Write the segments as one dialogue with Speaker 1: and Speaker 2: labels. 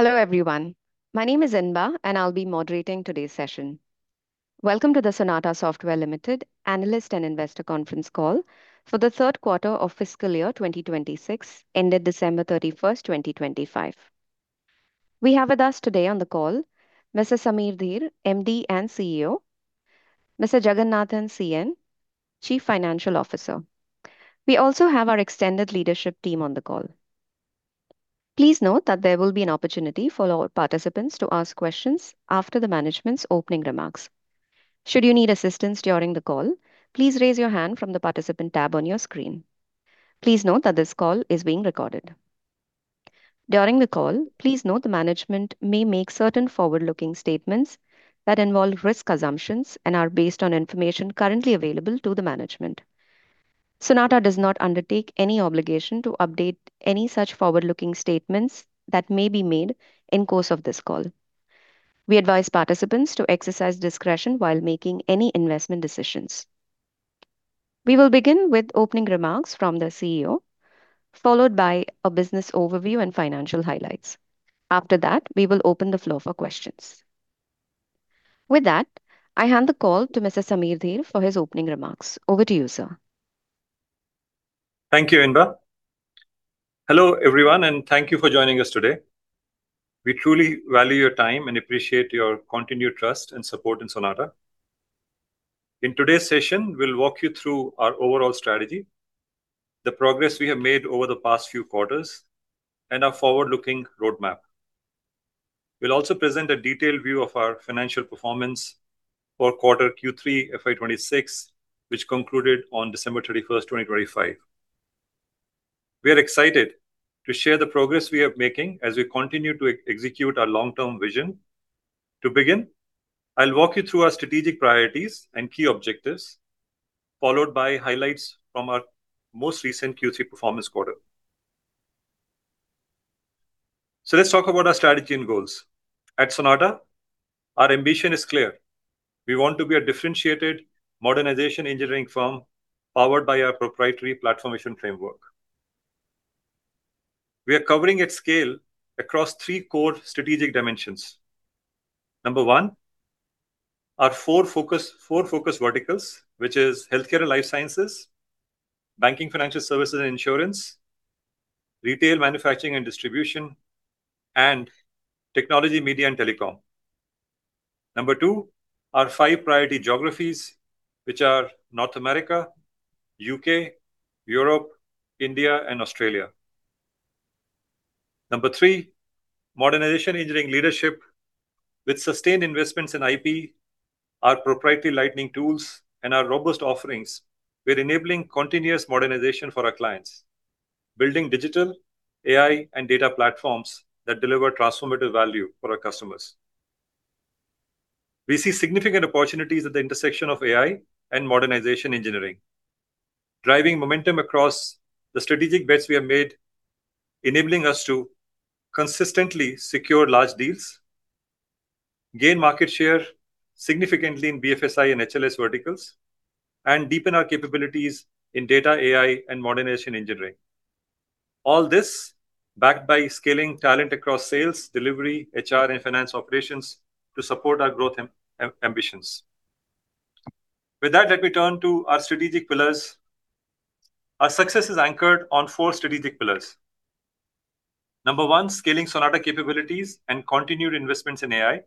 Speaker 1: Hello everyone, my name is Inba, and I'll be moderating today's session. Welcome to the Sonata Software Limited Analyst and Investor Conference Call for the third quarter of fiscal year 2026, ended December 31, 2025. We have with us today on the call Mr. Samir Dhir, MD and CEO. Mr. Jagannathan CN, Chief Financial Officer. We also have our extended leadership team on the call. Please note that there will be an opportunity for our participants to ask questions after the management's opening remarks. Should you need assistance during the call, please raise your hand from the participant tab on your screen. Please note that this call is being recorded. During the call, please note the management may make certain forward-looking statements that involve risk assumptions and are based on information currently available to the management. Sonata does not undertake any obligation to update any such forward-looking statements that may be made in course of this call. We advise participants to exercise discretion while making any investment decisions. We will begin with opening remarks from the CEO, followed by a business overview and financial highlights. After that, we will open the floor for questions. With that, I hand the call to Mr. Samir Dhir for his opening remarks. Over to you, sir.
Speaker 2: Thank you, Inba. Hello, everyone, and thank you for joining us today. We truly value your time and appreciate your continued trust and support in Sonata. In today's session, we'll walk you through our overall strategy, the progress we have made over the past few quarters, and our forward-looking roadmap. We'll also present a detailed view of our financial performance for quarter Q3 FY26, which concluded on December thirty-first, 2025. We are excited to share the progress we are making as we continue to execute our long-term vision. To begin, I'll walk you through our strategic priorities and key objectives, followed by highlights from our most recent Q3 performance quarter. So let's talk about our strategy and goals. At Sonata, our ambition is clear: We want to be a differentiated modernization engineering firm powered by our proprietary Platformation framework. We are covering at scale across three core strategic dimensions. Number one, our four focus, four focus verticals, which is healthcare and life sciences, banking, financial services, and insurance, retail, manufacturing, and distribution, and technology, media, and telecom. Number two, our five priority geographies, which are North America, U.K., Europe, India, and Australia. Number three, modernization engineering leadership. With sustained investments in IP, our proprietary Lightning tools, and our robust offerings, we're enabling continuous modernization for our clients, building digital, AI, and data platforms that deliver transformative value for our customers. We see significant opportunities at the intersection of AI and modernization engineering, driving momentum across the strategic bets we have made, enabling us to consistently secure large deals, gain market share significantly in BFSI and HLS verticals, and deepen our capabilities in data, AI, and modernization engineering. All this backed by scaling talent across sales, delivery, HR, and finance operations to support our growth ambitions. With that, let me turn to our strategic pillars. Our success is anchored on four strategic pillars. Number one, scaling Sonata capabilities and continued investments in AI.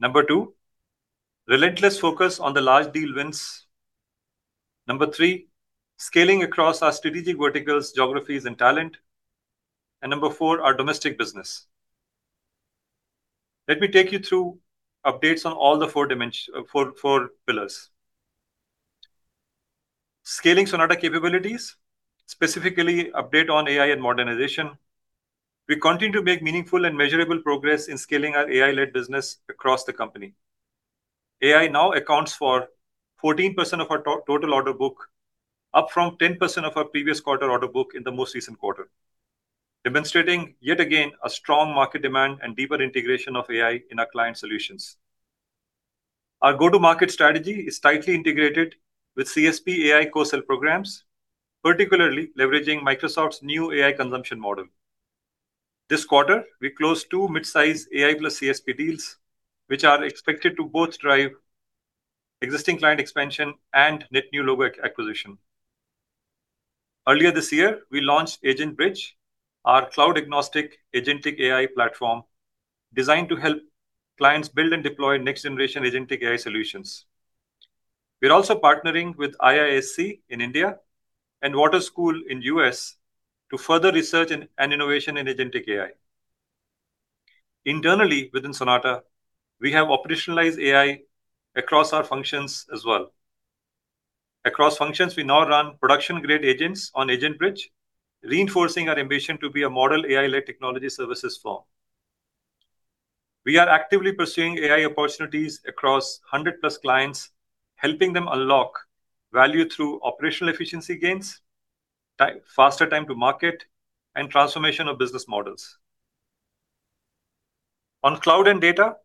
Speaker 2: Number two, relentless focus on the large deal wins. Number three, scaling across our strategic verticals, geographies, and talent. And number four, our domestic business. Let me take you through updates on all the four pillars. Scaling Sonata capabilities, specifically update on AI and modernization. We continue to make meaningful and measurable progress in scaling our AI-led business across the company. AI now accounts for 14% of our total order book, up from 10% of our previous quarter order book in the most recent quarter, demonstrating yet again a strong market demand and deeper integration of AI in our client solutions. Our go-to-market strategy is tightly integrated with CSP AI co-sell programs, particularly leveraging Microsoft's new AI consumption model. This quarter, we closed two mid-size AI plus CSP deals, which are expected to both drive existing client expansion and net new logo acquisition. Earlier this year, we launched AgentBridge, our cloud-agnostic agentic AI platform designed to help clients build and deploy next-generation agentic AI solutions. We're also partnering with IISc in India and Wharton School in the U.S. to further research and innovation in agentic AI. Internally, within Sonata, we have operationalized AI across our functions as well. Across functions, we now run production-grade agents on AgentBridge, reinforcing our ambition to be a model AI-led technology services firm. We are actively pursuing AI opportunities across 100-plus clients, helping them unlock value through operational efficiency gains, faster time to market, and transformation of business models. On cloud and data.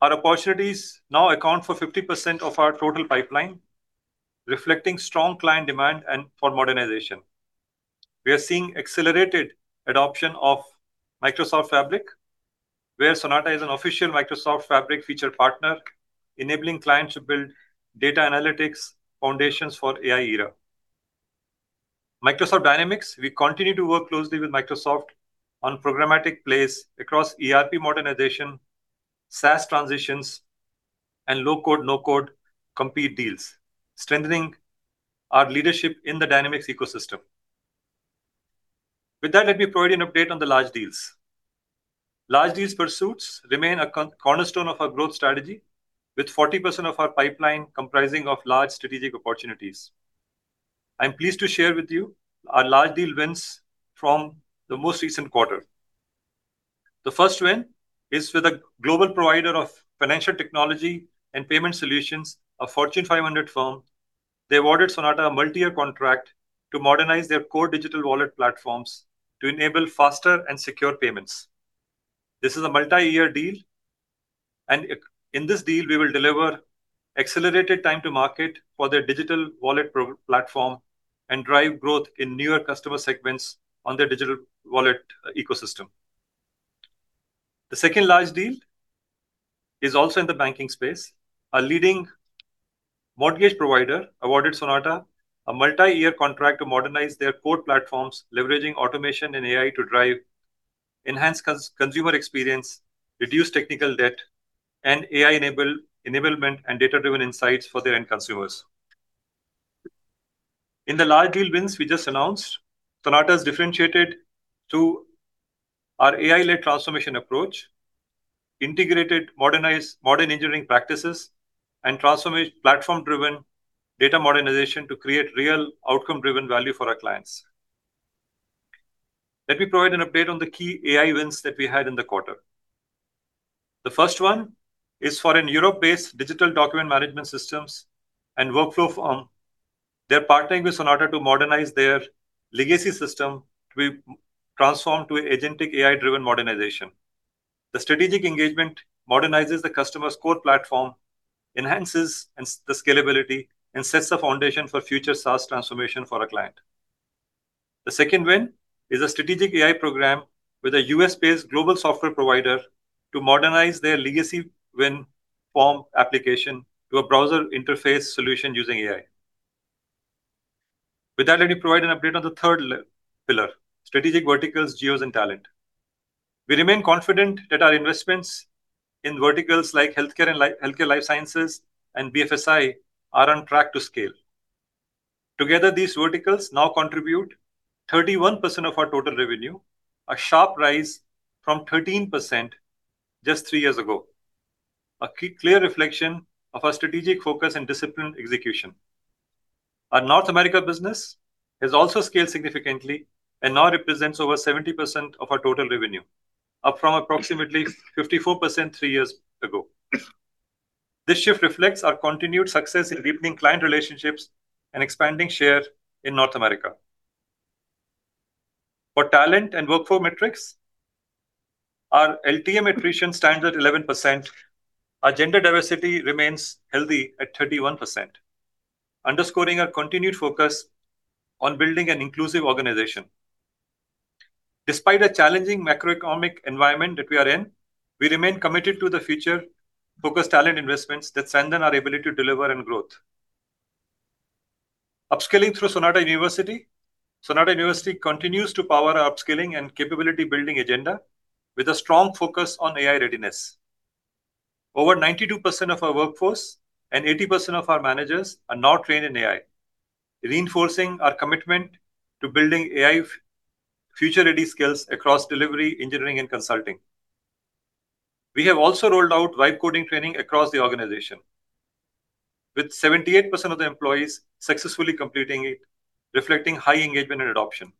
Speaker 2: Our opportunities now account for 50% of our total pipeline, reflecting strong client demand for modernization. We are seeing accelerated adoption of Microsoft Fabric, where Sonata is an official Microsoft Fabric featured partner, enabling clients to build data analytics foundations for AI era. Microsoft Dynamics, we continue to work closely with Microsoft on programmatic plays across ERP modernization, SaaS transitions, and low-code, no-code compete deals, strengthening our leadership in the Dynamics ecosystem. With that, let me provide an update on the large deals. Large deals pursuits remain a cornerstone of our growth strategy, with 40% of our pipeline comprising of large strategic opportunities. I'm pleased to share with you our large deal wins from the most recent quarter. The first win is with a global provider of financial technology and payment solutions, a Fortune 500 firm. They awarded Sonata a multi-year contract to modernize their core digital wallet platforms to enable faster and secure payments. This is a multi-year deal, and in this deal, we will deliver accelerated time to market for their digital wallet platform and drive growth in newer customer segments on their digital wallet ecosystem. The second large deal is also in the banking space. A leading mortgage provider awarded Sonata a multi-year contract to modernize their core platforms, leveraging automation and AI to drive enhanced consumer experience, reduce technical debt, and AI enablement and data-driven insights for their end consumers. In the large deal wins we just announced, Sonata has differentiated through our AI-led transformation approach, integrated modern engineering practices, and transformation platform-driven data modernization to create real outcome-driven value for our clients. Let me provide an update on the key AI wins that we had in the quarter. The first one is for a Europe-based digital document management systems and workflow firm. They're partnering with Sonata to modernize their legacy system to be transformed to agentic AI-driven modernization. The strategic engagement modernizes the customer's core platform, enhances the scalability, and sets the foundation for future SaaS transformation for our client. The second win is a strategic AI program with a U.S.-based global software provider to modernize their legacy WinForms application to a browser interface solution using AI. With that, let me provide an update on the third pillar, strategic verticals, geos, and talent. We remain confident that our investments in verticals like healthcare and life sciences and BFSI are on track to scale. Together, these verticals now contribute 31% of our total revenue, a sharp rise from 13% just three years ago, a clear reflection of our strategic focus and disciplined execution. Our North America business has also scaled significantly and now represents over 70% of our total revenue, up from approximately 54% three years ago. This shift reflects our continued success in deepening client relationships and expanding share in North America. For talent and workflow metrics, our LTM attrition stands at 11%. Our gender diversity remains healthy at 31%, underscoring our continued focus on building an inclusive organization. Despite a challenging macroeconomic environment that we are in, we remain committed to the future-focused talent investments that strengthen our ability to deliver and growth. Upskilling through Sonata University. Sonata University continues to power our upskilling and capability building agenda with a strong focus on AI readiness. Over 92% of our workforce and 80% of our managers are now trained in AI, reinforcing our commitment to building AI future-ready skills across delivery, engineering, and consulting. We have also rolled out wide coding training across the organization, with 78% of the employees successfully completing it, reflecting high engagement and adoption.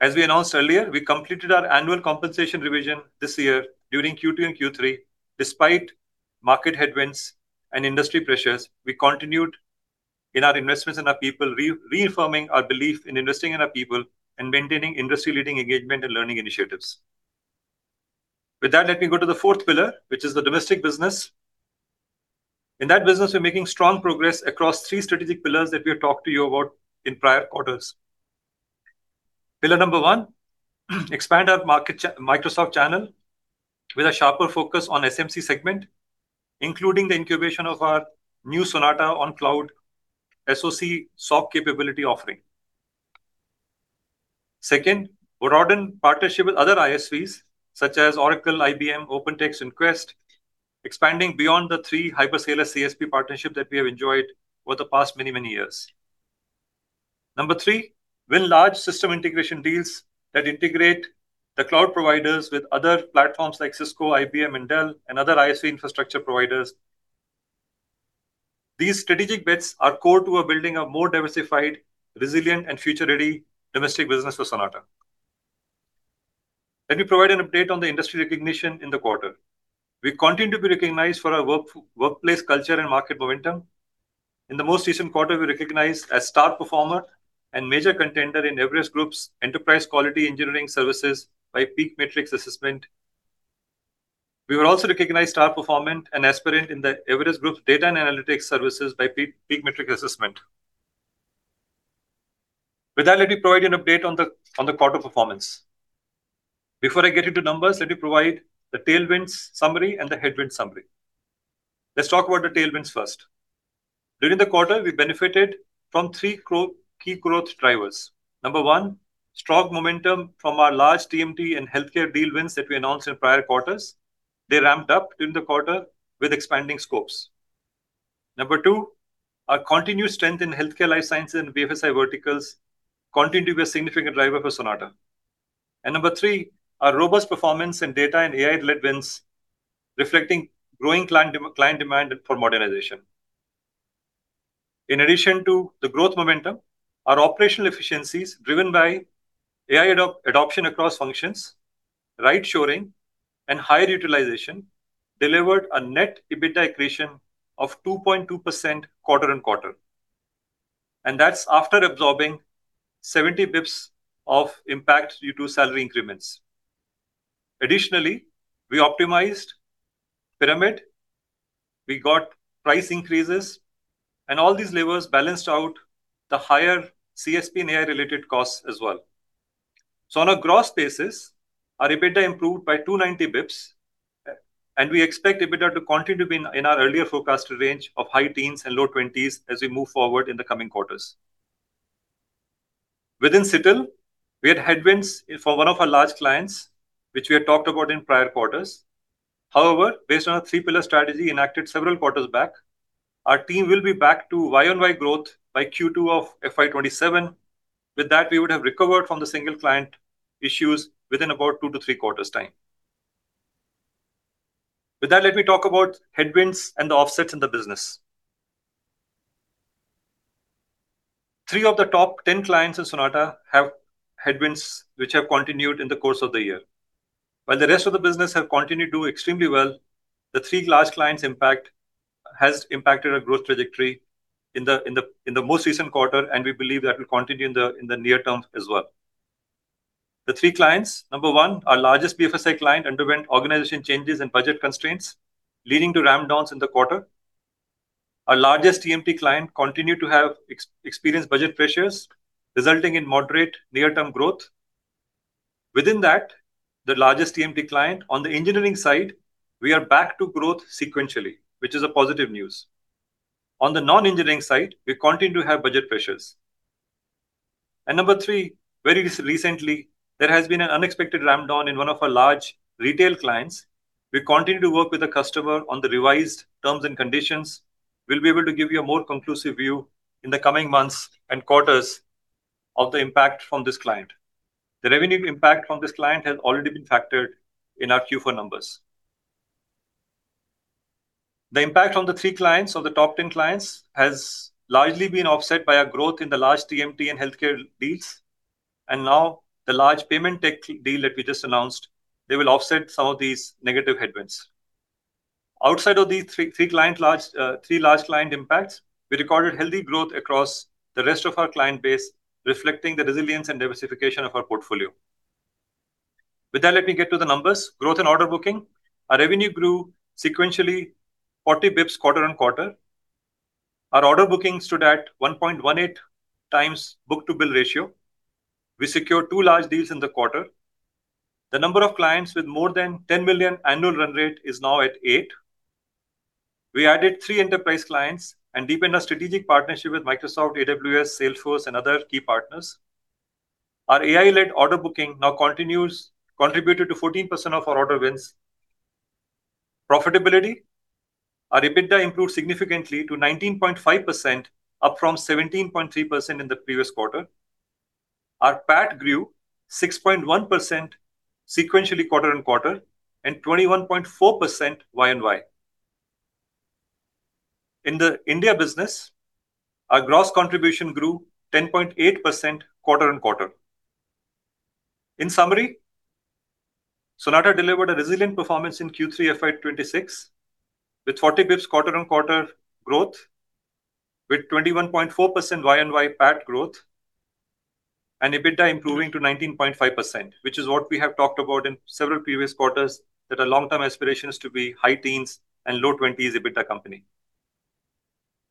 Speaker 2: As we announced earlier, we completed our annual compensation revision this year during Q2 and Q3. Despite market headwinds and industry pressures, we continued in our investments in our people, reaffirming our belief in investing in our people and maintaining industry-leading engagement and learning initiatives. With that, let me go to the fourth pillar, which is the domestic business. In that business, we're making strong progress across three strategic pillars that we have talked to you about in prior quarters. Pillar number one, expand our Microsoft channel with a sharper focus on SMC segment, including the incubation of our new Sonata on Cloud SoC capability offering. Second, broaden partnership with other ISVs such as Oracle, IBM, OpenText, and Quest, expanding beyond the three hyperscaler CSP partnerships that we have enjoyed over the past many, many years. Number three, win large system integration deals that integrate the cloud providers with other platforms like Cisco, IBM, and Dell, and other ISV infrastructure providers. These strategic bets are core to building a more diversified, resilient, and future-ready domestic business for Sonata. Let me provide an update on the industry recognition in the quarter. We continue to be recognized for our workplace culture and market momentum.... In the most recent quarter, we recognized a star performer and major contender in Everest Group's Enterprise Quality Engineering Services by PEAK Matrix Assessment. We were also recognized star performer and aspirant in the Everest Group Data and Analytics Services by PEAK Matrix Assessment. With that, let me provide an update on the quarter performance. Before I get into numbers, let me provide the tailwinds summary and the headwind summary. Let's talk about the tailwinds first. During the quarter, we benefited from three key growth drivers. One, strong momentum from our large TMT and healthcare deal wins that we announced in prior quarters. They ramped up during the quarter with expanding scopes. Two, our continued strength in healthcare, life sciences, and BFSI verticals continue to be a significant driver for Sonata. Three, our robust performance in data and AI-led wins, reflecting growing client client demand for modernization. In addition to the growth momentum, our operational efficiencies, driven by AI adoption across functions, right shoring, and higher utilization, delivered a net EBITDA accretion of 2.2% quarter on quarter, and that's after absorbing 70 basis points of impact due to salary increments. Additionally, we optimized pyramid, we got price increases, and all these levers balanced out the higher CSP and AI-related costs as well. So on a gross basis, our EBITDA improved by 290 basis points, and we expect EBITDA to continue to be in our earlier forecast range of high teens and low twenties as we move forward in the coming quarters. Within SITL, we had headwinds for one of our large clients, which we had talked about in prior quarters. However, based on our three-pillar strategy enacted several quarters back, our team will be back to YoY growth by Q2 of FY 2027. With that, we would have recovered from the single client issues within about 2-3 quarters' time. With that, let me talk about headwinds and the offsets in the business. Three of the top 10 clients in Sonata have headwinds which have continued in the course of the year. While the rest of the business has continued to do extremely well, the three large clients' impact has impacted our growth trajectory in the most recent quarter, and we believe that will continue in the near term as well. The three clients: number one, our largest BFSI client underwent organizational changes and budget constraints, leading to ramp downs in the quarter. Our largest TMT client continued to have experienced budget pressures, resulting in moderate near-term growth. Within that, the largest TMT client, on the engineering side, we are back to growth sequentially, which is a positive news. On the non-engineering side, we continue to have budget pressures. And number three, very recently, there has been an unexpected ramp down in one of our large retail clients. We continue to work with the customer on the revised terms and conditions. We'll be able to give you a more conclusive view in the coming months and quarters of the impact from this client. The revenue impact from this client has already been factored in our Q4 numbers. The impact on the three clients or the top ten clients has largely been offset by our growth in the large TMT and healthcare deals, and now the large payment tech deal that we just announced, they will offset some of these negative headwinds. Outside of these three large client impacts, we recorded healthy growth across the rest of our client base, reflecting the resilience and diversification of our portfolio. With that, let me get to the numbers. Growth and order booking. Our revenue grew sequentially, 40 basis points quarter-over-quarter. Our order bookings stood at 1.18 times book-to-bill ratio. We secured two large deals in the quarter. The number of clients with more than 10 million annual run rate is now at eight. We added three enterprise clients and deepened our strategic partnership with Microsoft, AWS, Salesforce, and other key partners. Our AI-led order booking now continues, contributed to 14% of our order wins. Profitability. Our EBITDA improved significantly to 19.5%, up from 17.3% in the previous quarter. Our PAT grew 6.1% sequentially quarter-on-quarter and 21.4% YoY. In the India business, our gross contribution grew 10.8% quarter-on-quarter. In summary, Sonata delivered a resilient performance in Q3 FY 2026, with 40 basis points quarter-on-quarter growth, with 21.4% YoY PAT growth, and EBITDA improving to 19.5%, which is what we have talked about in several previous quarters, that our long-term aspiration is to be high teens and low twenties EBITDA company.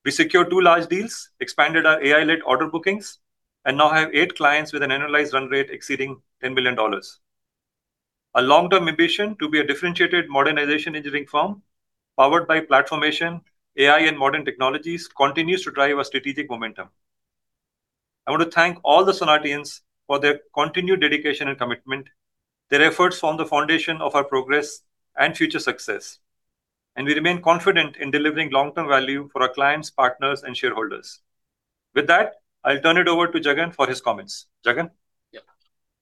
Speaker 2: We secured two large deals, expanded our AI-led order bookings, and now have eight clients with an annualized run rate exceeding $10 million. Our long-term ambition to be a differentiated modernization engineering firm, powered by Platformation, AI, and modern technologies, continues to drive our strategic momentum. I want to thank all the Sonatians for their continued dedication and commitment. Their efforts form the foundation of our progress and future success, and we remain confident in delivering long-term value for our clients, partners, and shareholders. With that, I'll turn it over to Jagan for his comments. Jagan?
Speaker 3: Yeah.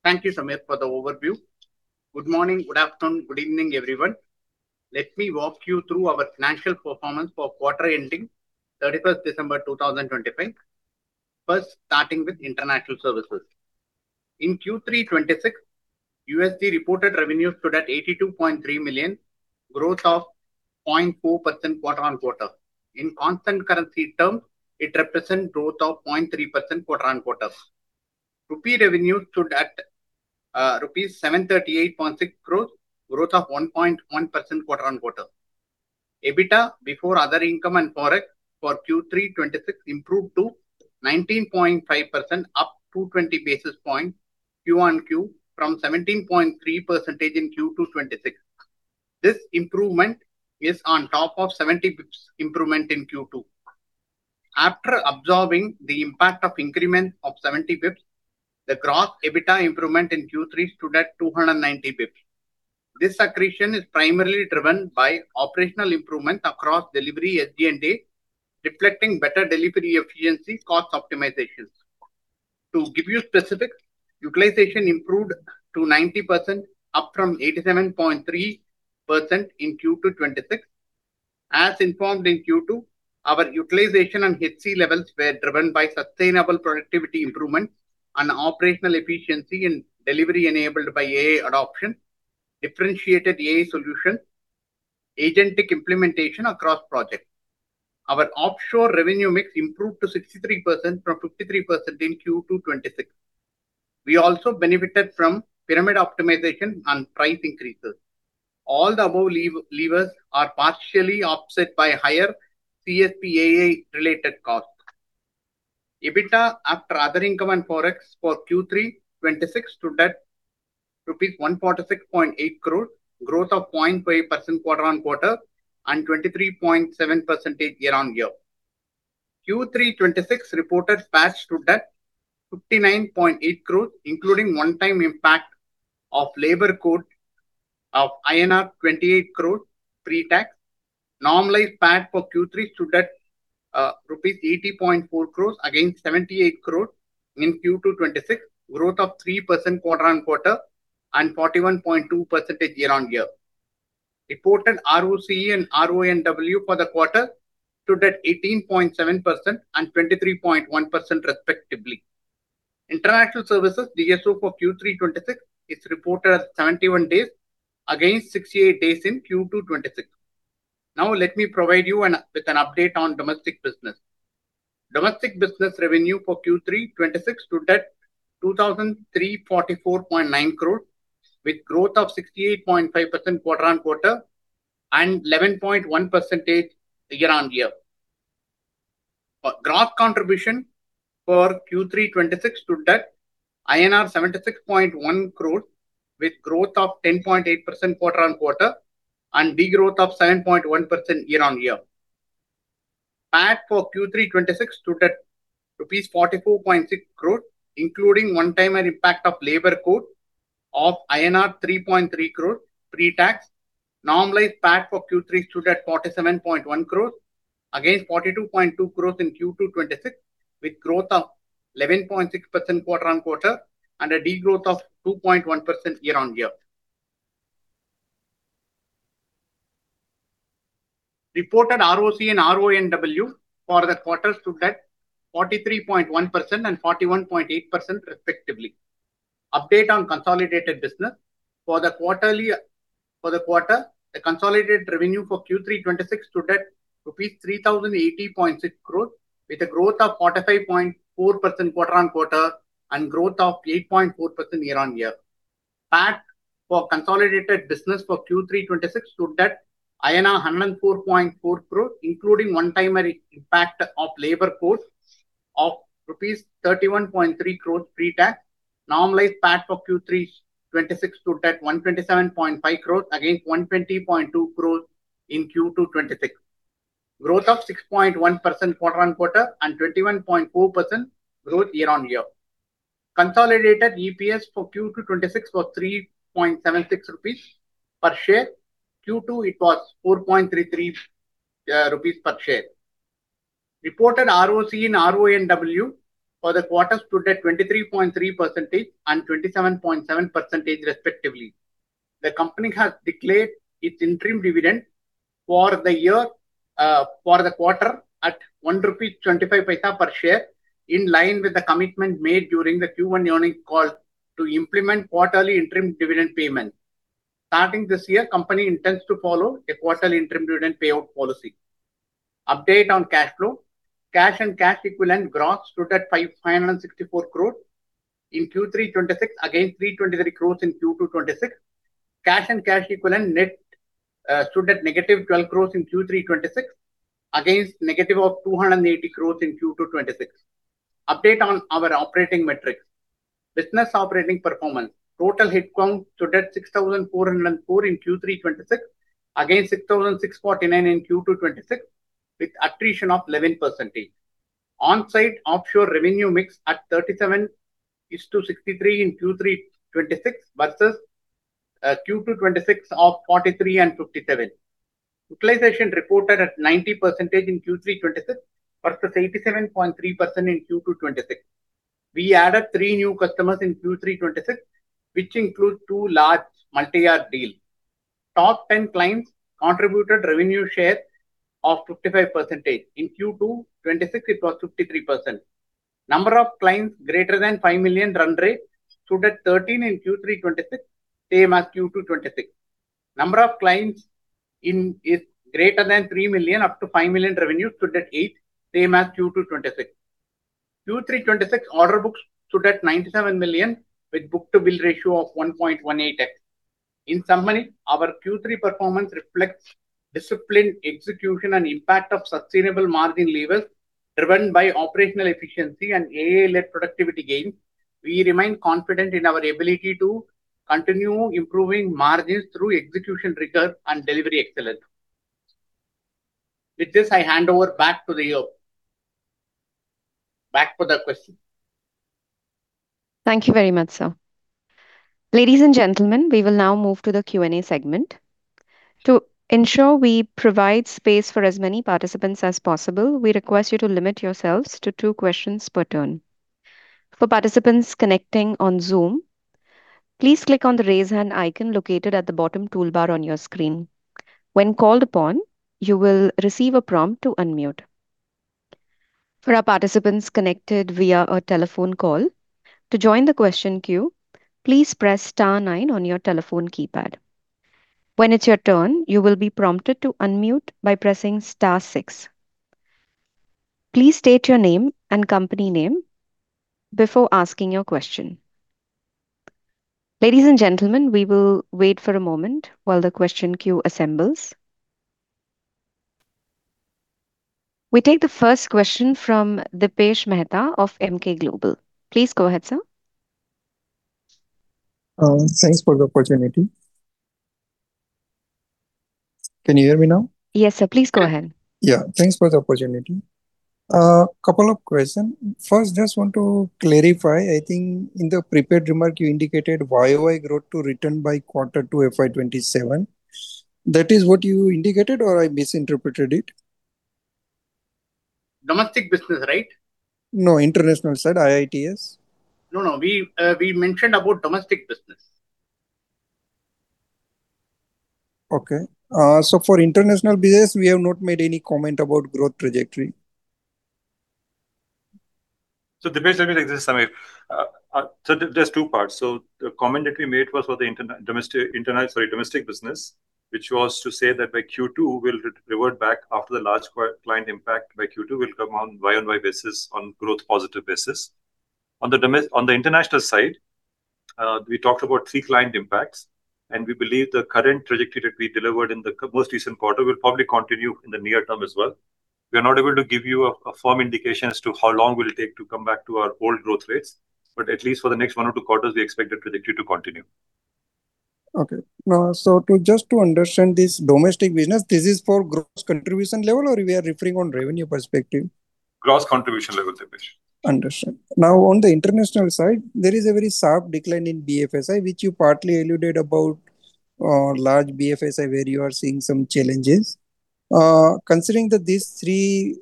Speaker 3: Thank you, Samir, for the overview. Good morning, good afternoon, good evening, everyone. Let me walk you through our financial performance for quarter ending December 31, 2025. First, starting with international services. In Q3 2026, USD reported revenues stood at $82.3 million, growth of 0.4% quarter-on-quarter. In constant currency terms, it represent growth of 0.3% quarter-on-quarter. Rupee revenues stood at rupees 738.6 crore, growth of 1.1% quarter-on-quarter. EBITDA before other income and ForEx for Q3 2026 improved to 19.5%, up 20 basis points QoQ from 17.3% in Q2 2026. This improvement is on top of 70 basis points improvement in Q2. After absorbing the impact of increment of 70 basis points, the gross EBITDA improvement in Q3 stood at 290 basis points. This accretion is primarily driven by operational improvement across delivery SG&A, reflecting better delivery efficiency cost optimizations. To give you specifics, utilization improved to 90%, up from 87.3% in Q2 2026. As informed in Q2, our utilization and HC levels were driven by sustainable productivity improvement and operational efficiency in delivery enabled by AI adoption, differentiated AI solution, agentic implementation across project. Our offshore revenue mix improved to 63% from 53% in Q2 2026. We also benefited from pyramid optimization and price increases. All the above levers are partially offset by higher CSP AI related costs. EBITDA, after other income and ForEx for Q3 2026 stood at INR 146.8 crore, growth of 0.5% quarter-on-quarter, and 23.7% year-on-year. Q3 2026 reported PAT stood at 59.8 crore, including one-time impact of labor cost of INR 28 crore pre-tax. Normalized PAT for Q3 stood at INR rupees 80.4 crore against 78 crore in Q2 2026, growth of 3% quarter-on-quarter and 41.2% year-on-year. Reported ROCE and RONW for the quarter stood at 18.7% and 23.1% respectively. International services DSO for Q3 2026 is reported at 71 days, against 68 days in Q2 2026. Now, let me provide you with an update on domestic business. Domestic business revenue for Q3 2026 stood at 2,344.9 crore, with growth of 68.5% quarter-on-quarter and 11.1% year-on-year. Gross contribution for Q3 2026 stood at INR 76.1 crore, with growth of 10.8% quarter-on-quarter and degrowth of 7.1% year-on-year. PAT for Q3 2026 stood at rupees 44.6 crore, including one-time impact of labor cost of INR 3.3 crore pre-tax. Normalized PAT for Q3 stood at 47.1 crore, against 42.2 crore in Q2 2026, with growth of 11.6% quarter-on-quarter and a degrowth of 2.1% year-on-year. Reported ROC and RONW for the quarter stood at 43.1% and 41.8% respectively. Update on consolidated business. For the quarter, the consolidated revenue for Q3 2026 stood at rupees 3,080.6 crore, with a growth of 45.4% quarter-on-quarter and growth of 8.4% year-on-year. PAT for consolidated business for Q3 2026 stood at 104.4 crore, including one-time impact of labor cost of rupees 31.3 crore pre-tax. Normalized PAT for Q3 2026 stood at 127.5 crore, against 120.2 crore in Q2 2026. Growth of 6.1% quarter-on-quarter, and 21.4% growth year-on-year. Consolidated EPS for Q2 2026 was 3.76 rupees per share. Q2, it was 4.33 rupees per share. Reported ROCE and RONW for the quarter stood at 23.3% and 27.7% respectively. The company has declared its interim dividend for the year, for the quarter at 1.25 rupee per share, in line with the commitment made during the Q1 earnings call to implement quarterly interim dividend payment. Starting this year, company intends to follow a quarterly interim dividend payout policy. Update on cash flow. Cash and cash equivalent gross stood at 564 crore in Q3 2026, against 323 crore in Q2 2026. Cash and cash equivalent net stood at -12 crore in Q3 2026, against -280 crore in Q2 2026. Update on our operating metrics. Business operating performance. Total headcount stood at 6,404 in Q3 2026, against 6,649 in Q2 2026, with attrition of 11%. On-site offshore revenue mix at 37:63 in Q3 2026, versus Q2 2026 of 43:57. Utilization reported at 90% in Q3 2026, versus 87.3% in Q2 2026. We added 3 new customers in Q3 2026, which include two large multi-year deals. Top 10 clients contributed revenue share of 55%. In Q2 2026, it was 53%. Number of clients greater than 5 million run rate stood at 13 in Q3 2026, same as Q2 2026. Number of clients in is greater than 3 million up to 5 million revenue stood at 8, same as Q2 2026. Q3 2026 order books stood at 97 million, with book-to-bill ratio of 1.18x. In summary, our Q3 performance reflects disciplined execution and impact of sustainable margin levers, driven by operational efficiency and AI-led productivity gains. We remain confident in our ability to continue improving margins through execution rigor and delivery excellence. With this, I hand over back to the moderator. Back for the question.
Speaker 1: Thank you very much, sir. Ladies and gentlemen, we will now move to the Q&A segment. To ensure we provide space for as many participants as possible, we request you to limit yourselves to two questions per turn. For participants connecting on Zoom, please click on the Raise Hand icon located at the bottom toolbar on your screen. When called upon, you will receive a prompt to unmute. For our participants connected via a telephone call, to join the question queue, please press star nine on your telephone keypad. When it's your turn, you will be prompted to unmute by pressing star six. Please state your name and company name before asking your question. Ladies and gentlemen, we will wait for a moment while the question queue assembles. We take the first question from Dipesh Mehta of Emkay Global. Please go ahead, sir.
Speaker 4: Thanks for the opportunity. Can you hear me now?
Speaker 1: Yes, sir. Please go ahead.
Speaker 4: Yeah, thanks for the opportunity. Couple of question. First, just want to clarify, I think in the prepared remark you indicated YoY growth to return by quarter to FY 27. That is what you indicated, or I misinterpreted it?
Speaker 3: Domestic business, right?
Speaker 4: No, International side, IITS.
Speaker 3: No, no. We, we mentioned about domestic business.
Speaker 4: Okay. So for international business, we have not made any comment about growth trajectory.
Speaker 2: So Dipesh, let me take this, Samir. So there's two parts. So the comment that we made was for the domestic business, which was to say that by Q2, we'll revert back after the large client impact, by Q2, we'll come on YoY basis on growth positive basis. On the international side, we talked about three client impacts, and we believe the current trajectory that we delivered in the most recent quarter will probably continue in the near term as well. We are not able to give you a firm indication as to how long will it take to come back to our old growth rates, but at least for the next one or two quarters, we expect the trajectory to continue.
Speaker 4: Okay. So to just to understand this domestic business, this is for gross contribution level or we are referring on revenue perspective?
Speaker 2: Gross contribution level, Dipesh.
Speaker 4: Understood. Now, on the international side, there is a very sharp decline in BFSI, which you partly alluded about, large BFSI, where you are seeing some challenges. Considering that these three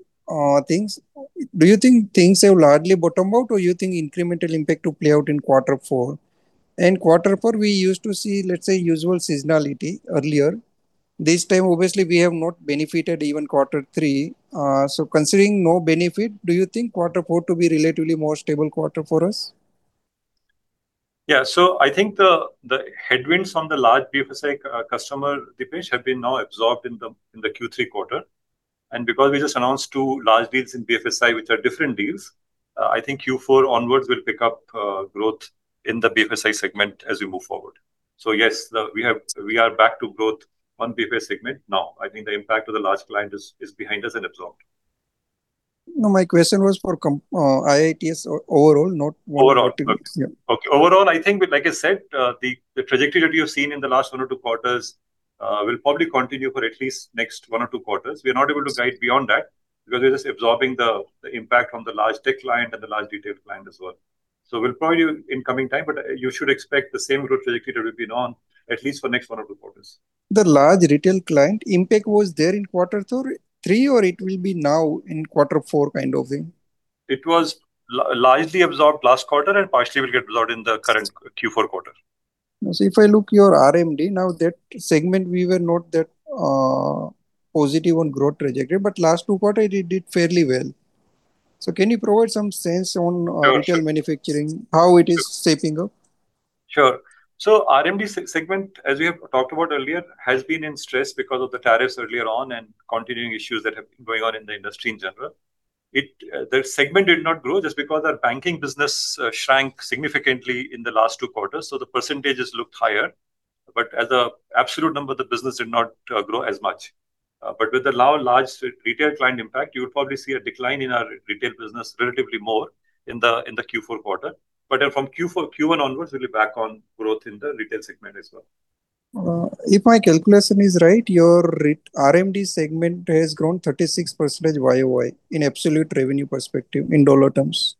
Speaker 4: things, do you think things have largely bottomed out, or you think incremental impact to play out in quarter four? And quarter four, we used to see, let's say, usual seasonality earlier. This time, obviously, we have not benefited even quarter three. So considering no benefit, do you think quarter four to be relatively more stable quarter for us?
Speaker 2: Yeah. So I think the headwinds from the large BFSI customer, Dipesh, have been now absorbed in the Q3 quarter. And because we just announced two large deals in BFSI, which are different deals, I think Q4 onwards will pick up growth in the BFSI segment as we move forward. So yes, we have—we are back to growth on BFSI segment now. I think the impact of the large client is behind us and absorbed.
Speaker 4: No, my question was for company IITS overall, not-
Speaker 2: Overall. Okay. Overall, I think, like I said, the trajectory that you've seen in the last one or two quarters will probably continue for at least next 1 or 2 quarters. We are not able to guide beyond that because we're just absorbing the impact from the large tech client and the large retail client as well. So we'll provide you in coming time, but you should expect the same growth trajectory that we've been on, at least for next one or two quarters.
Speaker 4: The large retail client impact was there in quarter three, or it will be now in quarter four kind of thing?
Speaker 2: It was largely absorbed last quarter and partially will get absorbed in the current Q4 quarter.
Speaker 4: So if I look your RMD, now, that segment, we were not that positive on growth trajectory, but last two quarter it did fairly well. So can you provide some sense on retail manufacturing, how it is shaping up?
Speaker 2: Sure. So RMD segment, as we have talked about earlier, has been in stress because of the tariffs earlier on and continuing issues that have been going on in the industry in general. It, the segment did not grow just because our banking business shrank significantly in the last two quarters, so the percentages looked higher. But as an absolute number, the business did not grow as much. But with the now large retail client impact, you would probably see a decline in our retail business relatively more in the, in the Q4 quarter. But then from Q1 onwards, we'll be back on growth in the retail segment as well.
Speaker 4: If my calculation is right, your RMD segment has grown 36% YoY in absolute revenue perspective, in dollar terms.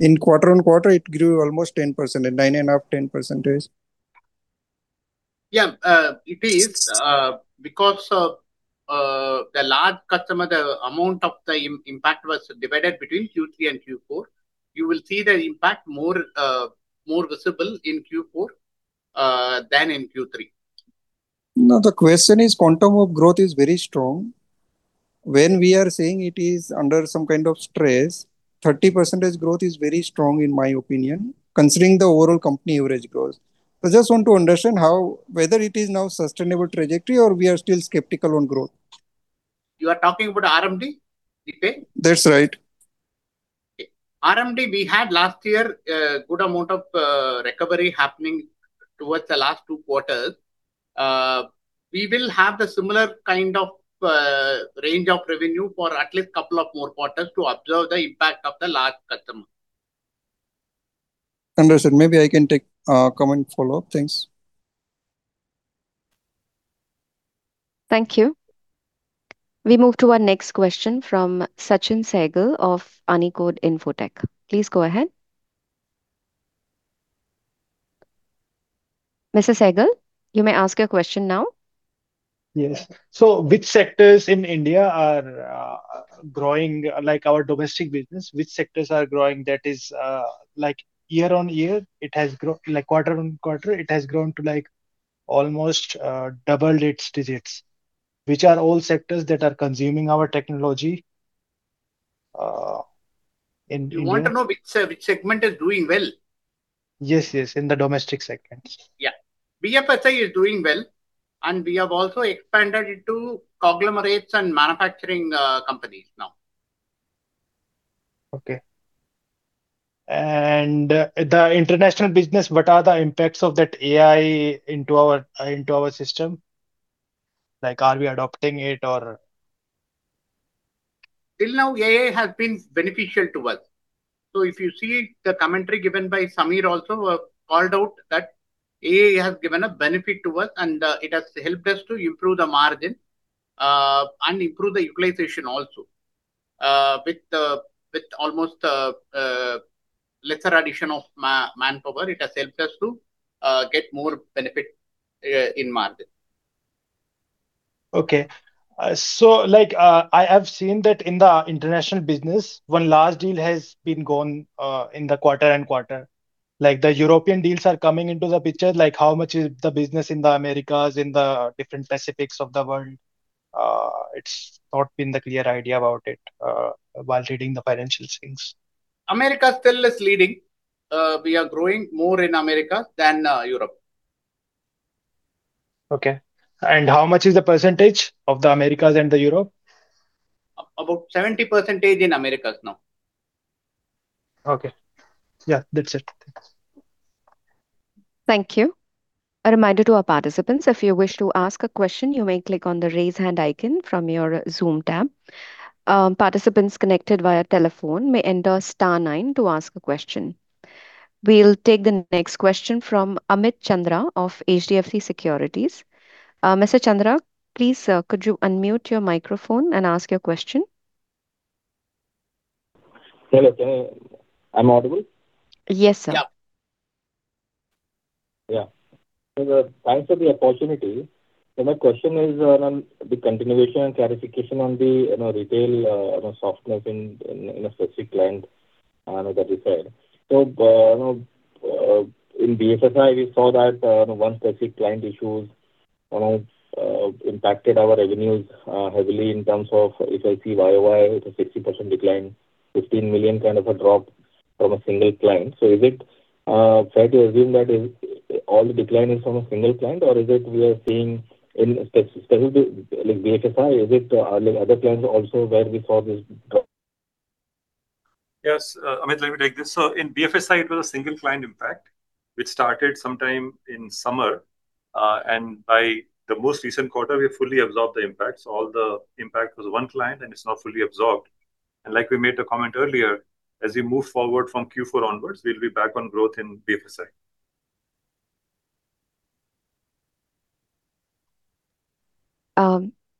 Speaker 4: In quarter-on-quarter, it grew almost 10%, 9.5%-10%.
Speaker 3: Yeah, it is because of the large customer. The amount of the impact was divided between Q3 and Q4. You will see the impact more, more visible in Q4 than in Q3
Speaker 4: No, the question is, quantum of growth is very strong. When we are saying it is under some kind of stress, 30% growth is very strong in my opinion, considering the overall company average growth. I just want to understand how, whether it is now sustainable trajectory or we are still skeptical on growth.
Speaker 3: You are talking about RMD, Dipesh?
Speaker 4: That's right.
Speaker 3: RMD, we had last year, good amount of, recovery happening towards the last two quarters. We will have the similar kind of, range of revenue for at least couple of more quarters to observe the impact of the large customer.
Speaker 4: Understood. Maybe I can take, comment follow-up. Thanks.
Speaker 1: Thank you. We move to our next question from Sachin Sehgal of Aanicod Infotech. Please go ahead. Mr. Sehgal, you may ask your question now.
Speaker 5: Yes. So which sectors in India are growing, like our domestic business, which sectors are growing? That is, like year-on-year, it has grown—like quarter-on-quarter, it has grown to, like, almost double-digit digits. Which are all sectors that are consuming our technology in India?
Speaker 3: You want to know which segment is doing well?
Speaker 5: Yes, yes, in the domestic segment.
Speaker 3: Yeah. BFSI is doing well, and we have also expanded into conglomerates and manufacturing companies now.
Speaker 5: Okay. And the international business, what are the impacts of that AI into our, into our system? Like, are we adopting it or...?
Speaker 3: Till now, AI has been beneficial to us. If you see the commentary given by Samir also called out that AI has given a benefit to us, and it has helped us to improve the margin and improve the utilization also. With almost lesser addition of manpower, it has helped us to get more benefit in margin.
Speaker 5: Okay. So like, I have seen that in the international business, one large deal has been gone, in the quarter and quarter. Like, the European deals are coming into the picture, like, how much is the business in the Americas, in the different Pacifics of the world? It's not been the clear idea about it, while reading the financial things.
Speaker 3: America still is leading. We are growing more in America than Europe.
Speaker 5: Okay. And how much is the percentage of the Americas and the Europe?
Speaker 3: About 70% in Americas now.
Speaker 5: Okay. Yeah, that's it. Thanks.
Speaker 1: Thank you. A reminder to our participants, if you wish to ask a question, you may click on the Raise Hand icon from your Zoom tab. Participants connected via telephone may enter star nine to ask a question. We'll take the next question from Amit Chandra of HDFC Securities. Mr. Chandra, please, could you unmute your microphone and ask your question.
Speaker 6: Hello, can you... I'm audible?
Speaker 1: Yes, sir.
Speaker 3: Yeah.
Speaker 2: Yeah.
Speaker 6: So thanks for the opportunity. So my question is, on the continuation and clarification on the, you know, retail, you know, softness in, in a specific client, that we serve. So, you know, in BFSI, we saw that, one specific client issues, you know, impacted our revenues, heavily in terms of, if I see YoY, it's a 60% decline, 15 million kind of a drop from a single client. So is it, fair to assume that is, all the decline is from a single client, or is it we are seeing in specific, like, BFSI, is it, like other clients also where we saw this drop?
Speaker 2: Yes, Amit, let me take this. So in BFSI, it was a single client impact, which started sometime in summer. And by the most recent quarter, we have fully absorbed the impacts. All the impact was one client, and it's now fully absorbed. And like we made a comment earlier, as we move forward from Q4 onwards, we'll be back on growth in BFSI.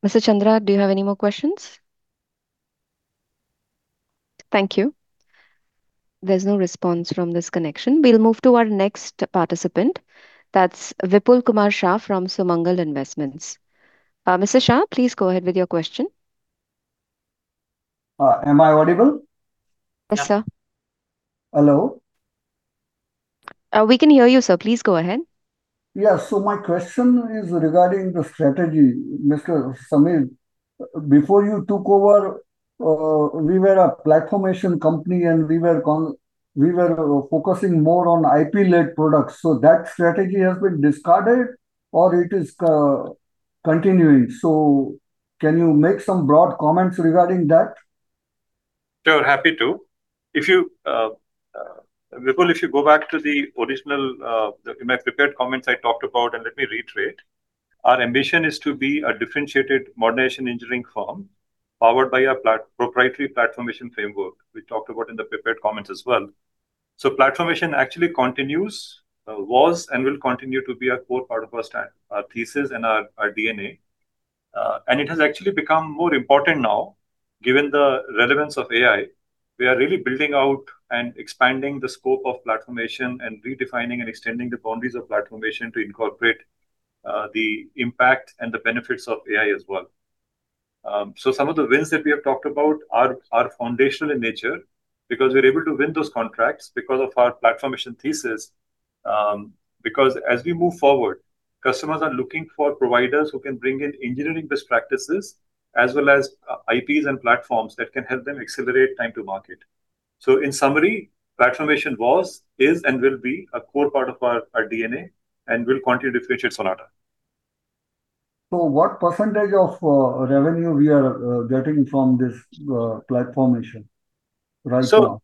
Speaker 1: Mr. Chandra, do you have any more questions? Thank you. There's no response from this connection. We'll move to our next participant. That's Vipulkumar Shah from Sumangal Investments. Mr. Shah, please go ahead with your question.
Speaker 7: Am I audible?
Speaker 1: Yes, sir.
Speaker 7: Hello?
Speaker 1: We can hear you, sir. Please go ahead.
Speaker 7: Yeah, so my question is regarding the strategy. Mr. Samir, before you took over, we were a Platformation company, and we were focusing more on IP-led products. So that strategy has been discarded, or it is continuing? So can you make some broad comments regarding that?
Speaker 2: Sure, happy to. If you, Vipul, if you go back to the original, in my prepared comments I talked about, and let me reiterate, our ambition is to be a differentiated modernization engineering firm, powered by a proprietary Platformation framework. We talked about in the prepared comments as well. So Platformation actually continues, was and will continue to be a core part of our thesis and our DNA. And it has actually become more important now, given the relevance of AI, we are really building out and expanding the scope of Platformation and redefining and extending the boundaries of Platformation to incorporate the impact and the benefits of AI as well. So some of the wins that we have talked about are foundational in nature because we're able to win those contracts because of our Platformation thesis. Because as we move forward, customers are looking for providers who can bring in engineering best practices as well as IPs and platforms that can help them accelerate time to market. So in summary, Platformation was, is, and will be a core part of our DNA and will continue to feature Sonata.
Speaker 7: What percentage of revenue we are getting from this Platformation right now?
Speaker 2: So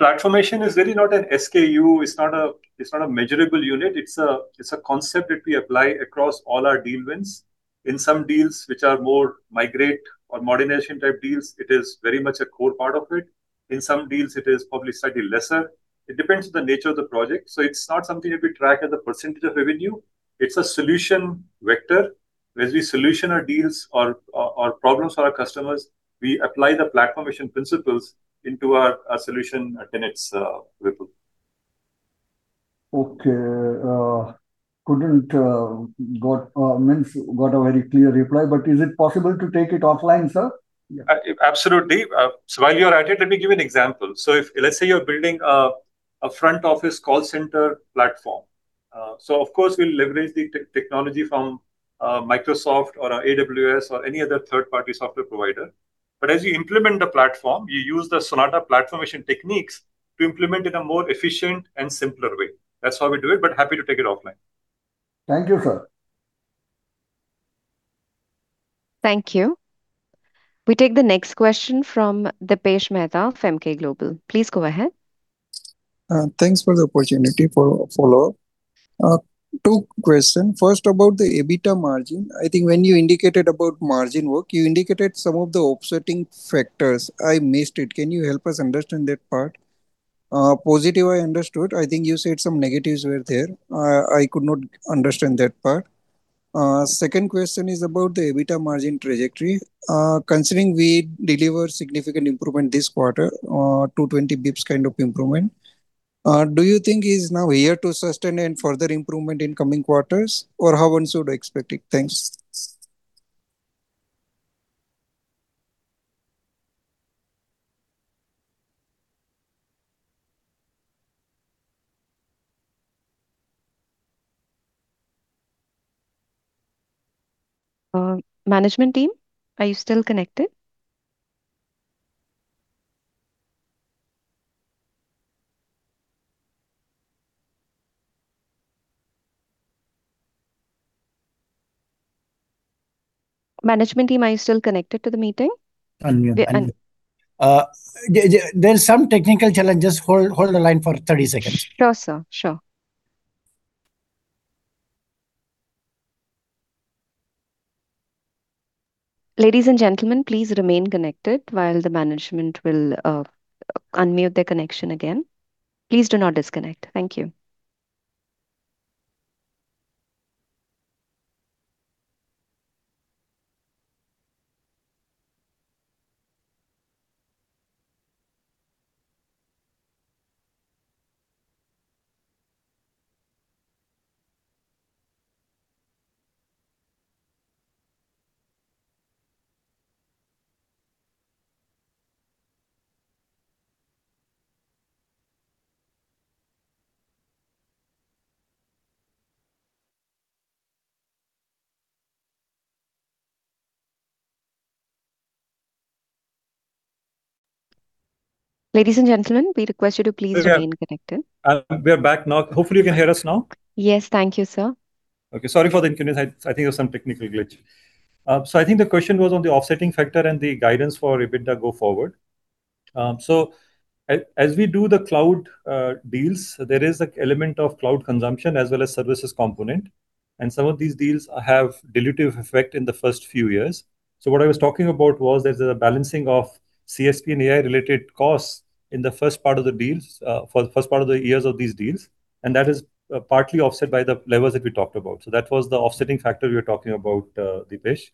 Speaker 2: Platformation is really not an SKU. It's not a, it's not a measurable unit. It's a, it's a concept that we apply across all our deal wins. In some deals which are more migrate or modernization type deals, it is very much a core part of it. In some deals, it is probably slightly lesser. It depends on the nature of the project. So it's not something that we track as a percentage of revenue, it's a solution vector. As we solution our deals or problems for our customers, we apply the Platformation principles into our solution tenets, ripple.
Speaker 7: Okay. Couldn't get a very clear reply, but is it possible to take it offline, sir?
Speaker 2: Absolutely. So while you're at it, let me give you an example. So if, let's say you're building a front office call center platform, so of course we'll leverage the technology from Microsoft or AWS or any other third-party software provider. But as you implement the platform, you use the Sonata Platformation techniques to implement in a more efficient and simpler way. That's how we do it, but happy to take it offline.
Speaker 7: Thank you, sir.
Speaker 1: Thank you. We take the next question from Dipesh Mehta of Emkay Global. Please go ahead.
Speaker 4: Thanks for the opportunity for a follow-up. 2 question. First, about the EBITDA margin. I think when you indicated about margin work, you indicated some of the offsetting factors. I missed it. Can you help us understand that part? Positive, I understood. I think you said some negatives were there. I could not understand that part. Second question is about the EBITDA margin trajectory. Considering we deliver significant improvement this quarter, 220 basis points kind of improvement, do you think it is now here to sustain and further improvement in coming quarters or how one should expect it? Thanks.
Speaker 1: Management team, are you still connected? Management team, are you still connected to the meeting?
Speaker 8: There's some technical challenges. Hold the line for 30 seconds.
Speaker 1: Sure, sir. Sure. Ladies and gentlemen, please remain connected while the management will unmute their connection again. Please do not disconnect. Thank you. Ladies and gentlemen, we request you to please remain connected.
Speaker 2: We are back now. Hopefully, you can hear us now.
Speaker 1: Yes. Thank you, sir.
Speaker 2: Okay. Sorry for the inconvenience. I think there was some technical glitch. So I think the question was on the offsetting factor and the guidance for EBITDA go forward. So as we do the cloud deals, there is an element of cloud consumption as well as services component, and some of these deals have dilutive effect in the first few years. So what I was talking about was there's a balancing of CSP and AI-related costs in the first part of the deals, for the first part of the years of these deals, and that is partly offset by the levers that we talked about. So that was the offsetting factor we were talking about, Dipesh.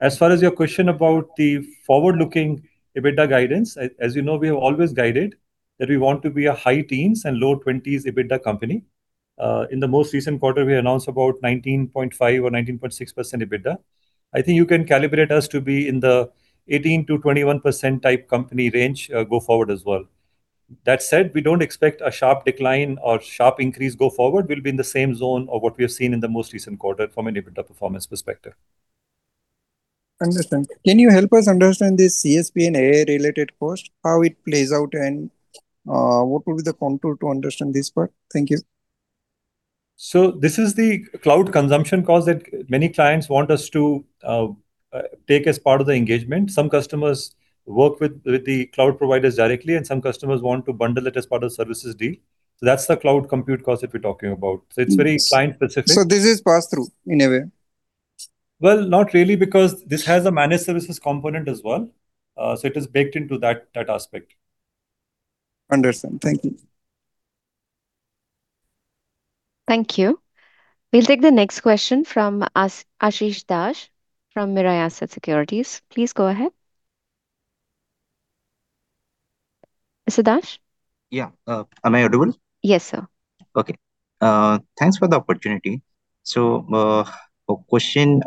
Speaker 2: As far as your question about the forward-looking EBITDA guidance, as you know, we have always guided that we want to be a high teens and low twenties EBITDA company. In the most recent quarter, we announced about 19.5% or 19.6% EBITDA. I think you can calibrate us to be in the 18%-21% type company range, go forward as well. That said, we don't expect a sharp decline or sharp increase go forward. We'll be in the same zone of what we have seen in the most recent quarter from an EBITDA performance perspective.
Speaker 4: Can you help us understand this CSP and AI-related cost, how it plays out, and what will be the contour to understand this part? Thank you.
Speaker 2: So this is the cloud consumption cost that many clients want us to take as part of the engagement. Some customers work with the cloud providers directly, and some customers want to bundle it as part of services deal. So that's the cloud compute cost that we're talking about. It's very client specific.
Speaker 4: So this is pass through, in a way?
Speaker 2: Well, not really, because this has a managed services component as well. So it is baked into that aspect.
Speaker 4: Understand. Thank you.
Speaker 1: Thank you. We'll take the next question from Asis Das from Mirae Asset Securities. Please go ahead. Mr. Das?
Speaker 9: Yeah. Am I audible?
Speaker 1: Yes, sir.
Speaker 9: Okay. Thanks for the opportunity. So, a question,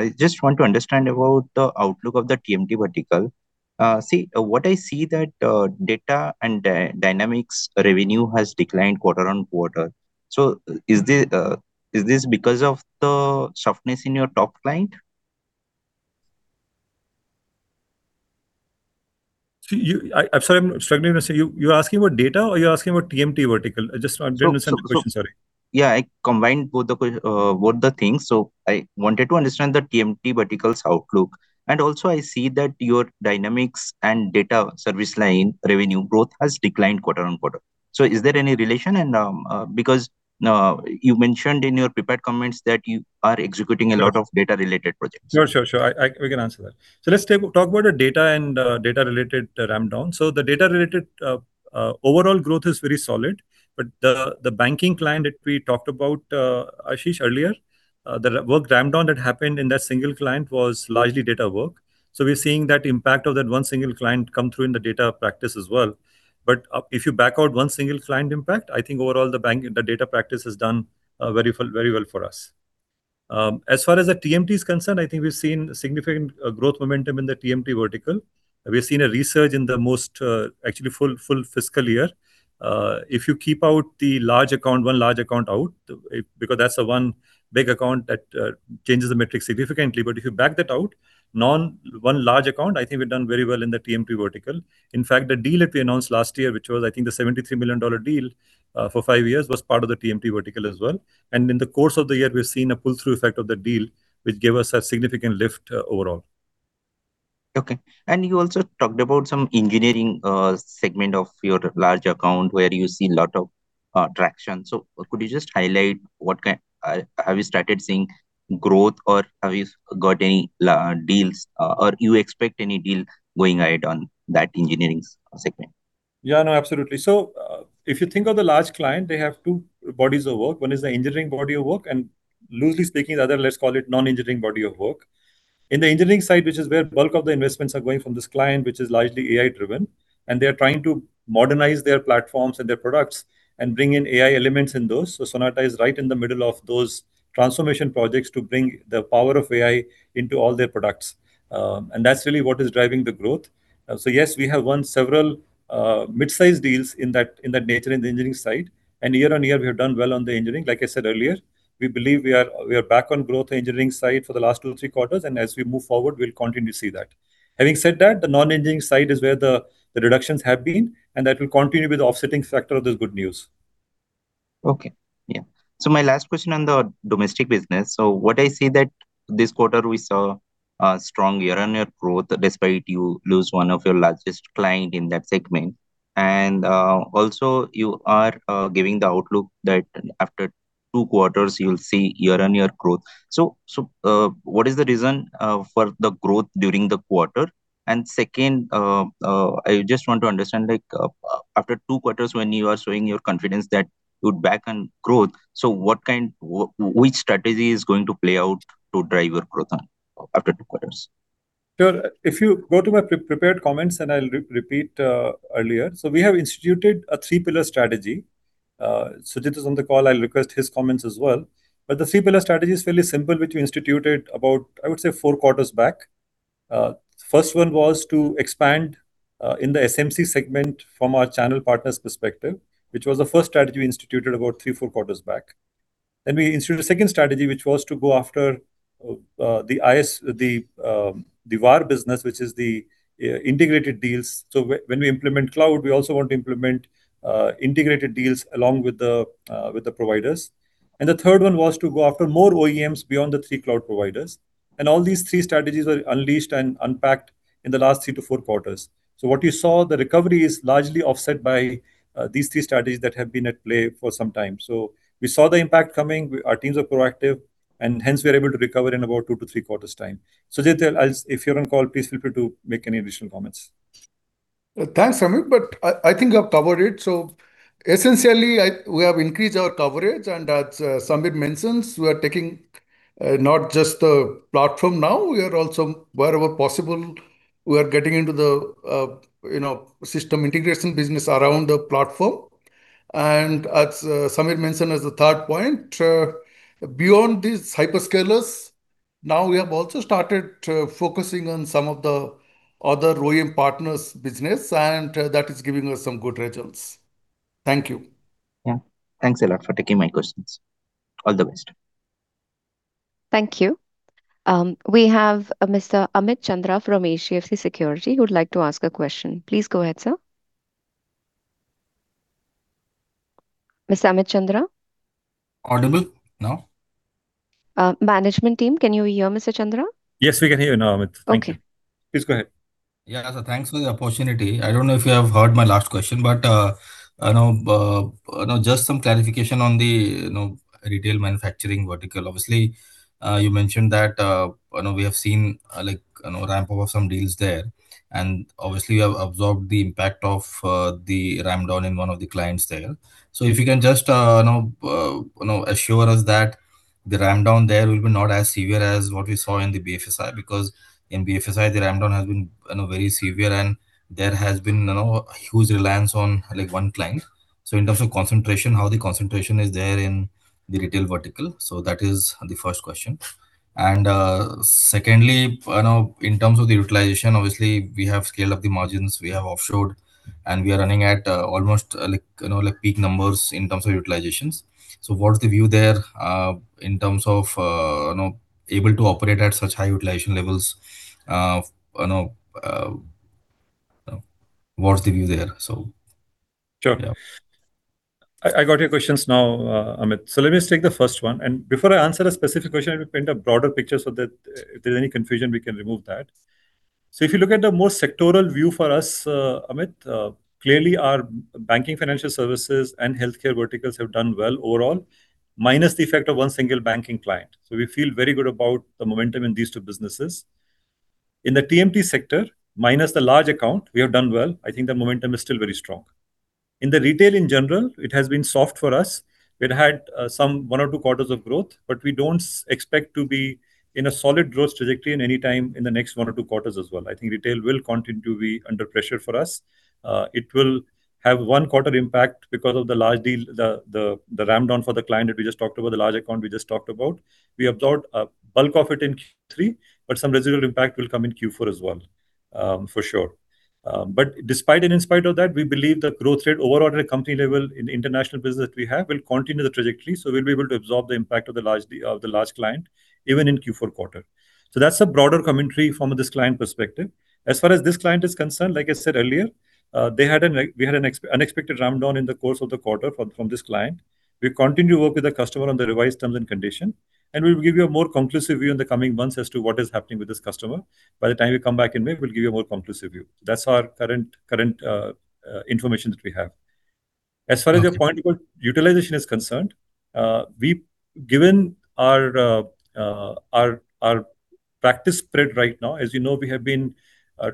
Speaker 9: I just want to understand about the outlook of the TMT vertical. See, what I see that, data and Dynamics revenue has declined quarter-on-quarter. So is this, is this because of the softness in your top client?
Speaker 2: See, I'm sorry, I'm struggling to understand. You're asking about data or you're asking about TMT vertical?
Speaker 9: Yeah, I combined both the things. So I wanted to understand the TMT vertical's outlook, and also I see that your Dynamics and data service line revenue growth has declined quarter-over-quarter. So is there any relation? And, because you mentioned in your prepared comments that you are executing a lot of data-related projects.
Speaker 2: Sure, sure, sure. We can answer that. So let's talk about the data and data-related ramp down. So the data-related overall growth is very solid, but the banking client that we talked about, Ashish, earlier, the work ramp down that happened in that single client was largely data work. So we're seeing that impact of that one single client come through in the data practice as well. But if you back out one single client impact, I think overall the banking data practice has done very well, very well for us. As far as the TMT is concerned, I think we've seen significant growth momentum in the TMT vertical. We've seen a resurgence in the most actually full fiscal year. If you keep out the large account, one large account out, because that's the one big account that changes the metrics significantly, but if you back that out, one large account, I think we've done very well in the TMT vertical. In fact, the deal that we announced last year, which was, I think, the $73 million deal for 5 years, was part of the TMT vertical as well. And in the course of the year, we've seen a pull-through effect of the deal, which gave us a significant lift overall.
Speaker 9: Okay. And you also talked about some engineering segment of your large account, where you see a lot of traction. So could you just highlight what kind have you started seeing growth or have you got any large deals or you expect any deal going ahead on that engineering segment?
Speaker 2: Yeah, no, absolutely. So, if you think of the large client, they have two bodies of work. One is the engineering body of work, and loosely speaking, the other, let's call it non-engineering body of work. In the engineering side, which is where bulk of the investments are going from this client, which is largely AI-driven, and they're trying to modernize their platforms and their products and bring in AI elements in those. So Sonata is right in the middle of those transformation projects to bring the power of AI into all their products. And that's really what is driving the growth. So yes, we have won several mid-sized deals in that, in that nature in the engineering side, and year on year, we have done well on the engineering. Like I said earlier, we believe we are, we are back on growth engineering side for the last two, three quarters, and as we move forward, we'll continue to see that. Having said that, the non-engineering side is where the, the reductions have been, and that will continue to be the offsetting factor of this good news.
Speaker 9: Okay. Yeah. So my last question on the domestic business. So what I see that this quarter we saw a strong year-on-year growth, despite you lose one of your largest client in that segment. And also, you are giving the outlook that after two quarters, you'll see year-on-year growth. So what is the reason for the growth during the quarter? And second, I just want to understand, like, after two quarters, when you are showing your confidence that you'd back on growth, so which strategy is going to play out to drive your growth on after two quarters?
Speaker 2: Sure. If you go to my pre-prepared comments, and I'll repeat earlier. So we have instituted a three-pillar strategy. Sujit is on the call, I'll request his comments as well. But the three-pillar strategy is fairly simple, which we instituted about, I would say, four quarters back. First one was to expand in the SMC segment from our channel partners' perspective, which was the first strategy we instituted about three, four quarters back. Then we instituted a second strategy, which was to go after the VAR business, which is the integrated deals. So when we implement cloud, we also want to implement integrated deals along with the providers. And the third one was to go after more OEMs beyond the three cloud providers. All these three strategies were unleashed and unpacked in the last 3-4 quarters. So what you saw, the recovery is largely offset by these three strategies that have been at play for some time. So we saw the impact coming. Our teams are proactive, and hence we're able to recover in about 2-3 quarters' time. Sujit, as if you're on call, please feel free to make any additional comments.
Speaker 10: Thanks, Samir, but I, I think you have covered it. So essentially, we have increased our coverage, and as Samir mentions, we are taking not just the platform now, we are also, wherever possible, we are getting into the, you know, system integration business around the platform. And as Samir mentioned as the third point, beyond these hyperscalers, now we have also started focusing on some of the other OEM partners business, and that is giving us some good results. Thank you.
Speaker 9: Yeah. Thanks a lot for taking my questions. All the best.
Speaker 1: Thank you. We have a Mr. Amit Chandra from HDFC Securities who'd like to ask a question. Please go ahead, sir. Mr. Amit Chandra?
Speaker 6: Audible now?
Speaker 1: Management team, can you hear Mr. Chandra?
Speaker 2: Yes, we can hear you now, Amit. Thank you.
Speaker 1: Okay.
Speaker 2: Please go ahead.
Speaker 6: Yeah. So thanks for the opportunity. I don't know if you have heard my last question, but, I know, you know, just some clarification on the, you know, retail manufacturing vertical. Obviously, you mentioned that, you know, we have seen, like, you know, ramp up of some deals there, and obviously, you have absorbed the impact of, the ramp down in one of the clients there. So if you can just, you know, you know, assure us that the ramp down there will be not as severe as what we saw in the BFSI, because in BFSI, the ramp down has been, you know, very severe and there has been, you know, a huge reliance on, like, one client. So in terms of concentration, how the concentration is there in the retail vertical? So that is the first question. Secondly, you know, in terms of the utilization, obviously we have scaled up the margins, we have offshored, and we are running at, almost, like, you know, like peak numbers in terms of utilizations. So what's the view there, in terms of, you know, able to operate at such high utilization levels? You know, what's the view there? So....Yeah.
Speaker 2: I got your questions now, Amit. So let me just take the first one, and before I answer a specific question, I will paint a broader picture so that if there's any confusion, we can remove that. So if you look at the more sectoral view for us, Amit, clearly our banking financial services and healthcare verticals have done well overall, minus the effect of one single banking client. So we feel very good about the momentum in these two businesses. In the TMT sector, minus the large account, we have done well. I think the momentum is still very strong. In the retail in general, it has been soft for us. We'd had some one or two quarters of growth, but we don't expect to be in a solid growth trajectory in any time in the next one or two quarters as well. I think retail will continue to be under pressure for us. It will have one quarter impact because of the large deal, the ramp down for the client that we just talked about, the large account we just talked about. We absorbed a bulk of it in Q3, but some residual impact will come in Q4 as well, for sure. But despite and in spite of that, we believe the growth rate overall at a company level in the international business that we have will continue the trajectory, so we'll be able to absorb the impact of the large of the large client, even in Q4 quarter. So that's a broader commentary from this client perspective. As far as this client is concerned, like I said earlier, they had an unexpected ramp down in the course of the quarter from this client. We continue to work with the customer on the revised terms and condition, and we'll give you a more conclusive view in the coming months as to what is happening with this customer. By the time we come back in May, we'll give you a more conclusive view. That's our current information that we have. As far as your point about utilization is concerned, given our practice spread right now, as you know, we have been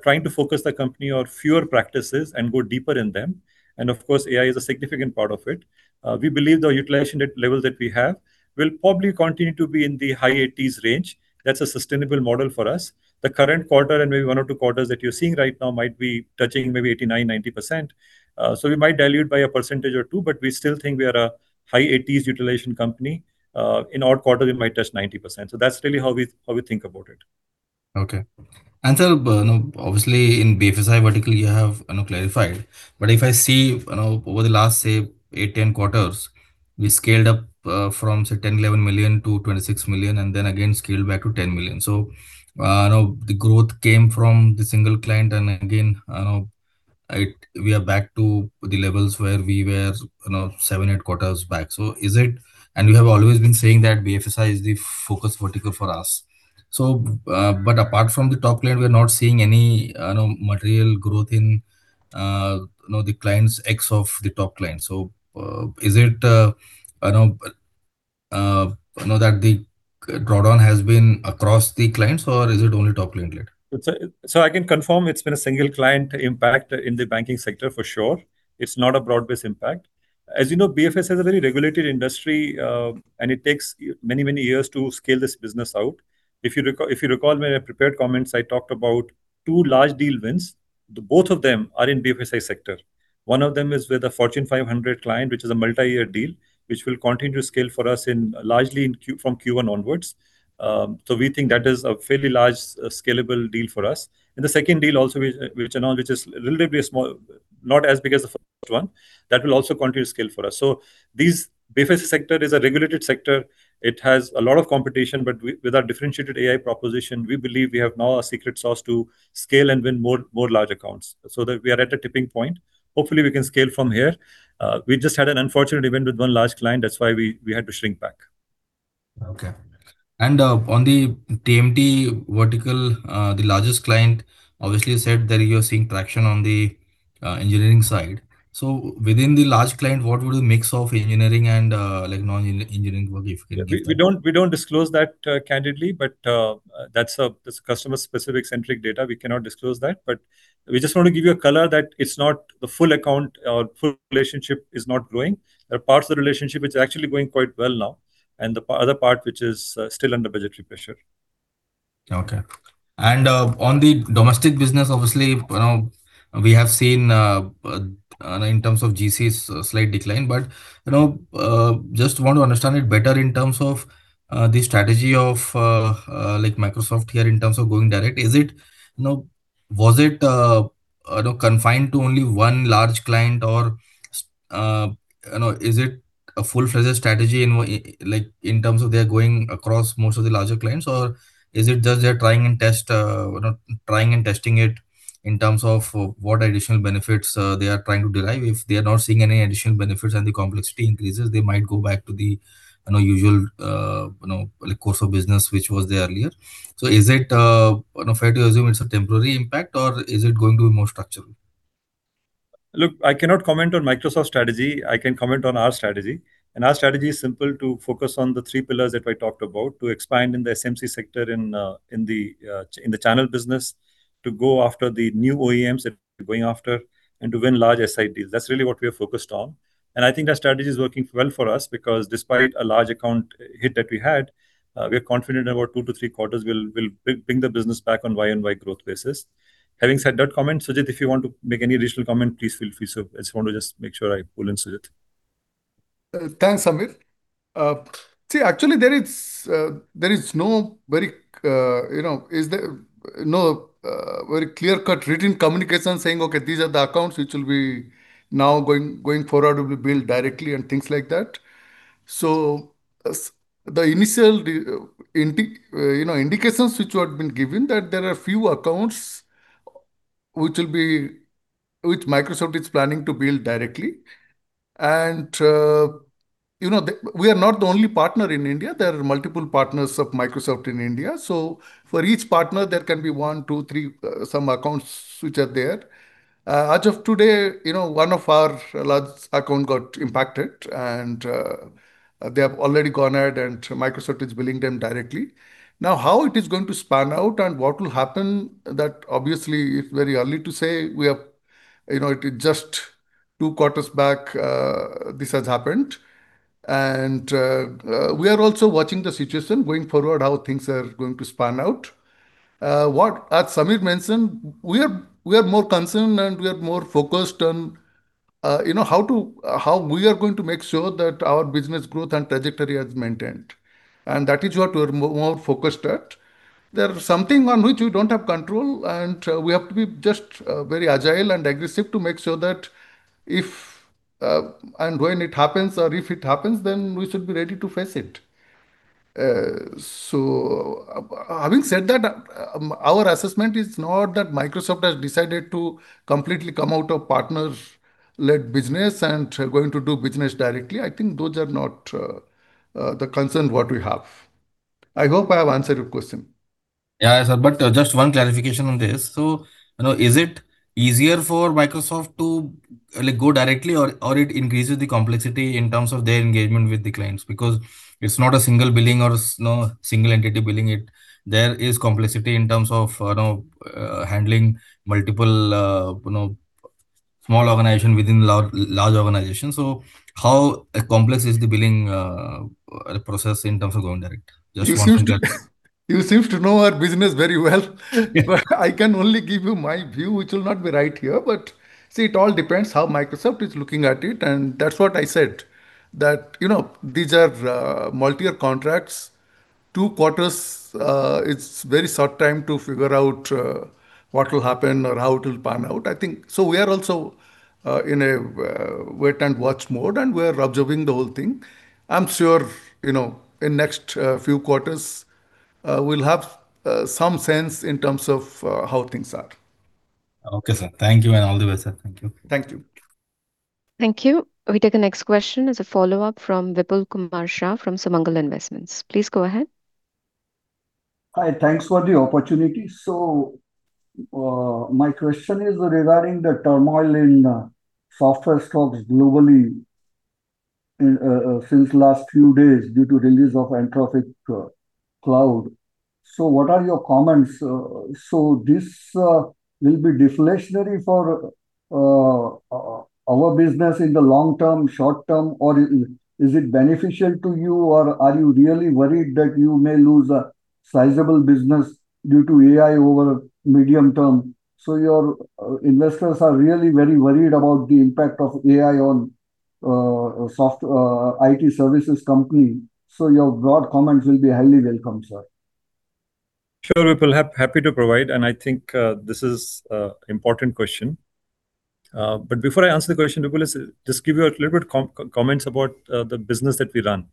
Speaker 2: trying to focus the company on fewer practices and go deeper in them, and of course, AI is a significant part of it. We believe the utilization level that we have will probably continue to be in the high 80s range. That's a sustainable model for us. The current quarter and maybe one or two quarters that you're seeing right now might be touching maybe 89%-90%. So we might dilute by a percentage or two, but we still think we are a high 80s utilization company. In odd quarter, we might touch 90%. So that's really how we think about it.
Speaker 6: Okay. And so, you know, obviously, in BFSI vertical, you have, you know, clarified, but if I see, you know, over the last, say, 8-10 quarters, we scaled up from say, 11 million-26 million, and then again scaled back to 10 million. So, you know, the growth came from the single client, and again, you know, it—we are back to the levels where we were, you know, 7-8 quarters back. So is it—And you have always been saying that BFSI is the focus vertical for us. So, but apart from the top client, we're not seeing any, you know, material growth in, you know, the clients ex of the top client. So, is it, you know, that the draw down has been across the clients, or is it only top client led?
Speaker 2: So I can confirm it's been a single client impact in the banking sector for sure. It's not a broad-based impact. As you know, BFSI is a very regulated industry, and it takes many, many years to scale this business out. If you recall, in my prepared comments, I talked about two large deal wins. Both of them are in BFSI sector. One of them is with a Fortune 500 client, which is a multi-year deal, which will continue to scale for us largely from Q1 onwards. So we think that is a fairly large, scalable deal for us. And the second deal also, you know, which is a little bit small, not as big as the first one, that will also continue to scale for us. So this BFSI sector is a regulated sector. It has a lot of competition, but with our differentiated AI proposition, we believe we have now a secret sauce to scale and win more large accounts, so that we are at a tipping point. Hopefully, we can scale from here. We just had an unfortunate event with one large client. That's why we had to shrink back.
Speaker 6: Okay. On the TMT vertical, the largest client, obviously, you said that you are seeing traction on the engineering side. So within the large client, what would be the mix of engineering and, like, non-engineering work if-
Speaker 2: We don't disclose that candidly, but that's a customer-specific centric data. We cannot disclose that. But we just want to give you a color that it's not the full account or full relationship is not growing. There are parts of the relationship which are actually going quite well now, and the other part, which is still under budgetary pressure.
Speaker 6: Okay. And, on the domestic business, obviously, you know, we have seen, in terms of GCs, a slight decline, but, you know, just want to understand it better in terms of, the strategy of, like Microsoft here, in terms of going direct. Is it, you know... Was it, you know, confined to only one large client or, you know, is it a full-fledged strategy in like, in terms of they are going across most of the larger clients, or is it just they're trying and testing it in terms of what additional benefits, they are trying to derive? If they are not seeing any additional benefits and the complexity increases, they might go back to the, you know, usual, like course of business, which was there earlier. Is it, you know, fair to assume it's a temporary impact, or is it going to be more structural?
Speaker 2: Look, I cannot comment on Microsoft's strategy. I can comment on our strategy, and our strategy is simple: to focus on the three pillars that I talked about, to expand in the SMC sector, in the channel business, to go after the new OEMs that we're going after, and to win large SI deals. That's really what we are focused on... and I think that strategy is working well for us, because despite a large account hit that we had, we are confident about 2-3 quarters we'll bring the business back on Y-o-Y growth basis. Having said that comment, Sujit, if you want to make any additional comment, please feel free. So I just want to just make sure I pull in Sujit.
Speaker 10: Thanks, Samir. Actually there is no very, you know, no very clear-cut written communication saying, "Okay, these are the accounts which will be now going, going forward will be billed directly," and things like that. So the initial indications which were been given, that there are a few accounts which Microsoft is planning to bill directly. And, you know, we are not the only partner in India. There are multiple partners of Microsoft in India. So for each partner there can be 1, 2, 3, some accounts which are there. As of today, you know, one of our large account got impacted, and they have already gone ahead and Microsoft is billing them directly. Now, how it is going to span out and what will happen, that obviously it's very early to say. We have... You know, it is just two quarters back, this has happened. We are also watching the situation going forward, how things are going to span out. What—as Samir mentioned, we are, we are more concerned and we are more focused on, you know, how we are going to make sure that our business growth and trajectory is maintained, and that is what we are more focused at. There are something on which we don't have control, and, we have to be just, very agile and aggressive to make sure that if, and when it happens, or if it happens, then we should be ready to face it. So having said that, our assessment is not that Microsoft has decided to completely come out of partner-led business and are going to do business directly. I think those are not the concern what we have. I hope I have answered your question.
Speaker 6: Yeah, sir, but just one clarification on this. So, you know, is it easier for Microsoft to, like, go directly or it increases the complexity in terms of their engagement with the clients? Because it's not a single billing or no single entity billing it. There is complexity in terms of, you know, handling multiple, you know, small organization within large organization. So how complex is the billing process in terms of going direct? Just want to-
Speaker 10: You seem to know our business very well. But I can only give you my view, which will not be right here. But, see, it all depends how Microsoft is looking at it, and that's what I said, that, you know, these are multi-year contracts. 2 quarters, it's very short time to figure out what will happen or how it will pan out. I think... So we are also in a wait and watch mode, and we are observing the whole thing. I'm sure, you know, in next few quarters, we'll have some sense in terms of how things are.
Speaker 6: Okay, sir. Thank you, and all the best, sir. Thank you.
Speaker 10: Thank you.
Speaker 1: Thank you. We take the next question as a follow-up from Vipulkumar Shah from Sumangal Investments. Please go ahead.
Speaker 7: Hi, thanks for the opportunity. So, my question is regarding the turmoil in software stocks globally since last few days due to release of Anthropic Claude. So what are your comments? So this will be deflationary for our business in the long term, short term, or is it beneficial to you? Or are you really worried that you may lose a sizable business due to AI over medium term? So your investors are really very worried about the impact of AI on software IT services company. So your broad comments will be highly welcome, sir.
Speaker 2: Sure, Vipul, happy to provide, and I think this is an important question. But before I answer the question, Vipul, let's just give you a little bit comments about the business that we run.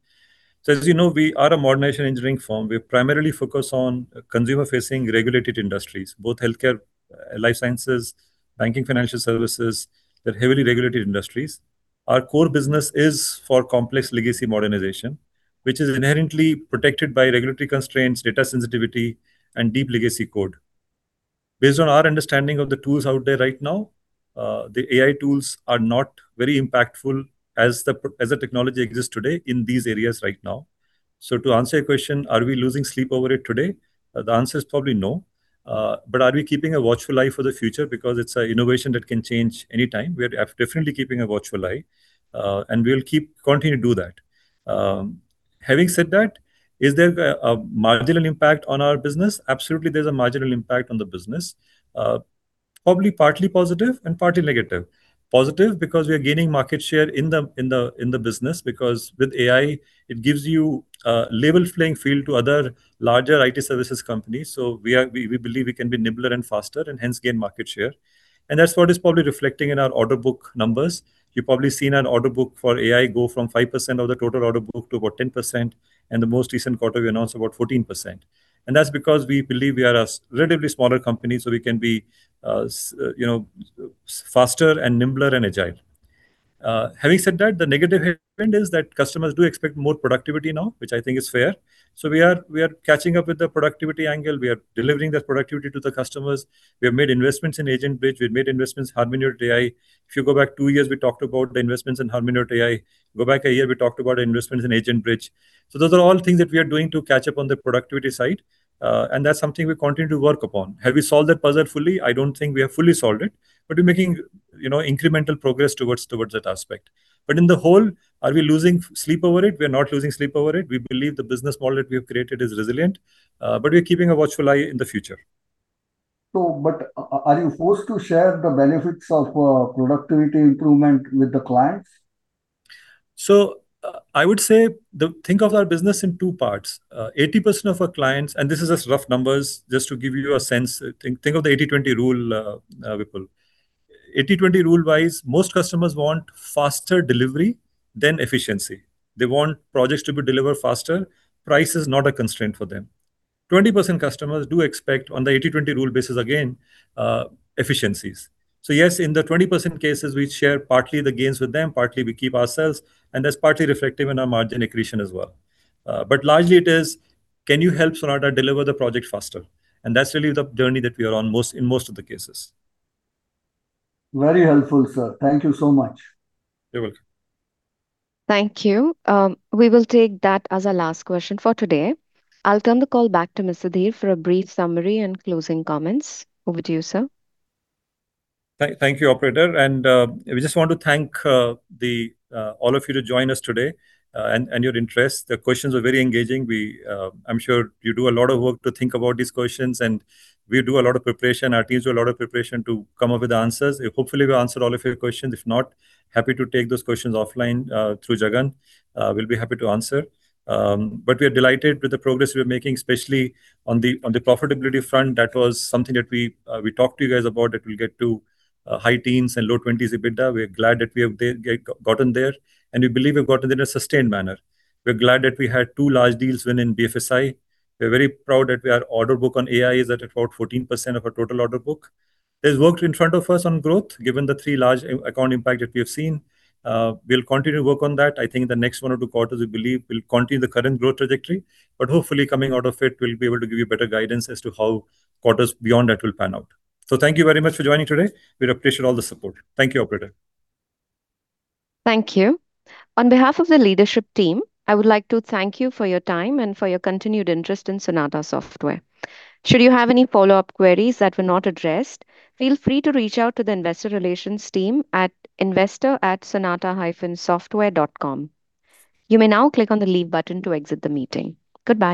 Speaker 2: So as you know, we are a modernization engineering firm. We primarily focus on consumer-facing regulated industries, both healthcare, life sciences, banking, financial services. They're heavily regulated industries. Our core business is for complex legacy modernization, which is inherently protected by regulatory constraints, data sensitivity, and deep legacy code. Based on our understanding of the tools out there right now, the AI tools are not very impactful as the technology exists today in these areas right now. So to answer your question, are we losing sleep over it today? The answer is probably no. But are we keeping a watchful eye for the future because it's a innovation that can change any time? We are definitely keeping a watchful eye, and we'll keep continuing to do that. Having said that, is there a marginal impact on our business? Absolutely, there's a marginal impact on the business. Probably partly positive and partly negative. Positive, because we are gaining market share in the business, because with AI, it gives you a level playing field to other larger IT services companies, so we are we believe we can be nimbler and faster and hence gain market share, and that's what is probably reflecting in our order book numbers. You've probably seen our order book for AI go from 5% of the total order book to about 10%, and the most recent quarter we announced about 14%. That's because we believe we are a relatively smaller company, so we can be, you know, faster and nimbler and agile. Having said that, the negative impact is that customers do expect more productivity now, which I think is fair. So we are, we are catching up with the productivity angle. We are delivering that productivity to the customers. We have made investments in AgentBridge, we've made investments in Harmoni.AI. If you go back two years, we talked about the investments in Harmoni.AI. Go back a year, we talked about investments in AgentBridge. So those are all things that we are doing to catch up on the productivity side, and that's something we continue to work upon. Have we solved that puzzle fully? I don't think we have fully solved it, but we're making you know, incremental progress towards that aspect. But in the whole, are we losing sleep over it? We are not losing sleep over it. We believe the business model that we have created is resilient, but we're keeping a watchful eye in the future.
Speaker 7: Are you forced to share the benefits of productivity improvement with the clients?
Speaker 2: So, I would say, think of our business in two parts. 80% of our clients, and this is just rough numbers just to give you a sense, think of the 80/20 rule, Vipul. 80/20 rule-wise, most customers want faster delivery than efficiency. They want projects to be delivered faster. Price is not a constraint for them. 20% customers do expect, on the 80/20 rule basis again, efficiencies. So yes, in the 20% cases, we share partly the gains with them, partly we keep ourselves, and that's partly reflective in our margin accretion as well. But largely it is, "Can you help Sonata deliver the project faster?" And that's really the journey that we are on most, in most of the cases.
Speaker 7: Very helpful, sir. Thank you so much.
Speaker 2: You're welcome.
Speaker 1: Thank you. We will take that as our last question for today. I'll turn the call back to Mr. Dhir for a brief summary and closing comments. Over to you, sir.
Speaker 2: Thank you, operator. We just want to thank all of you to join us today, and your interest. The questions were very engaging. I'm sure you do a lot of work to think about these questions, and we do a lot of preparation. Our teams do a lot of preparation to come up with the answers. Hopefully, we answered all of your questions. If not, happy to take those questions offline through Jagan. We'll be happy to answer. But we are delighted with the progress we are making, especially on the profitability front. That was something that we talked to you guys about, that we'll get to high teens and low twenties EBITDA. We're glad that we have gotten there, and we believe we've gotten there in a sustained manner. We're glad that we had two large deals win in BFSI. We're very proud that our order book on AI is at about 14% of our total order book. There's work in front of us on growth, given the three large account impact that we have seen. We'll continue to work on that. I think the next one or two quarters, we believe we'll continue the current growth trajectory, but hopefully coming out of it, we'll be able to give you better guidance as to how quarters beyond that will pan out. So thank you very much for joining today. We appreciate all the support. Thank you, operator.
Speaker 1: Thank you. On behalf of the leadership team, I would like to thank you for your time and for your continued interest in Sonata Software. Should you have any follow-up queries that were not addressed, feel free to reach out to the investor relations team at investor@sonata-software.com. You may now click on the Leave button to exit the meeting. Goodbye.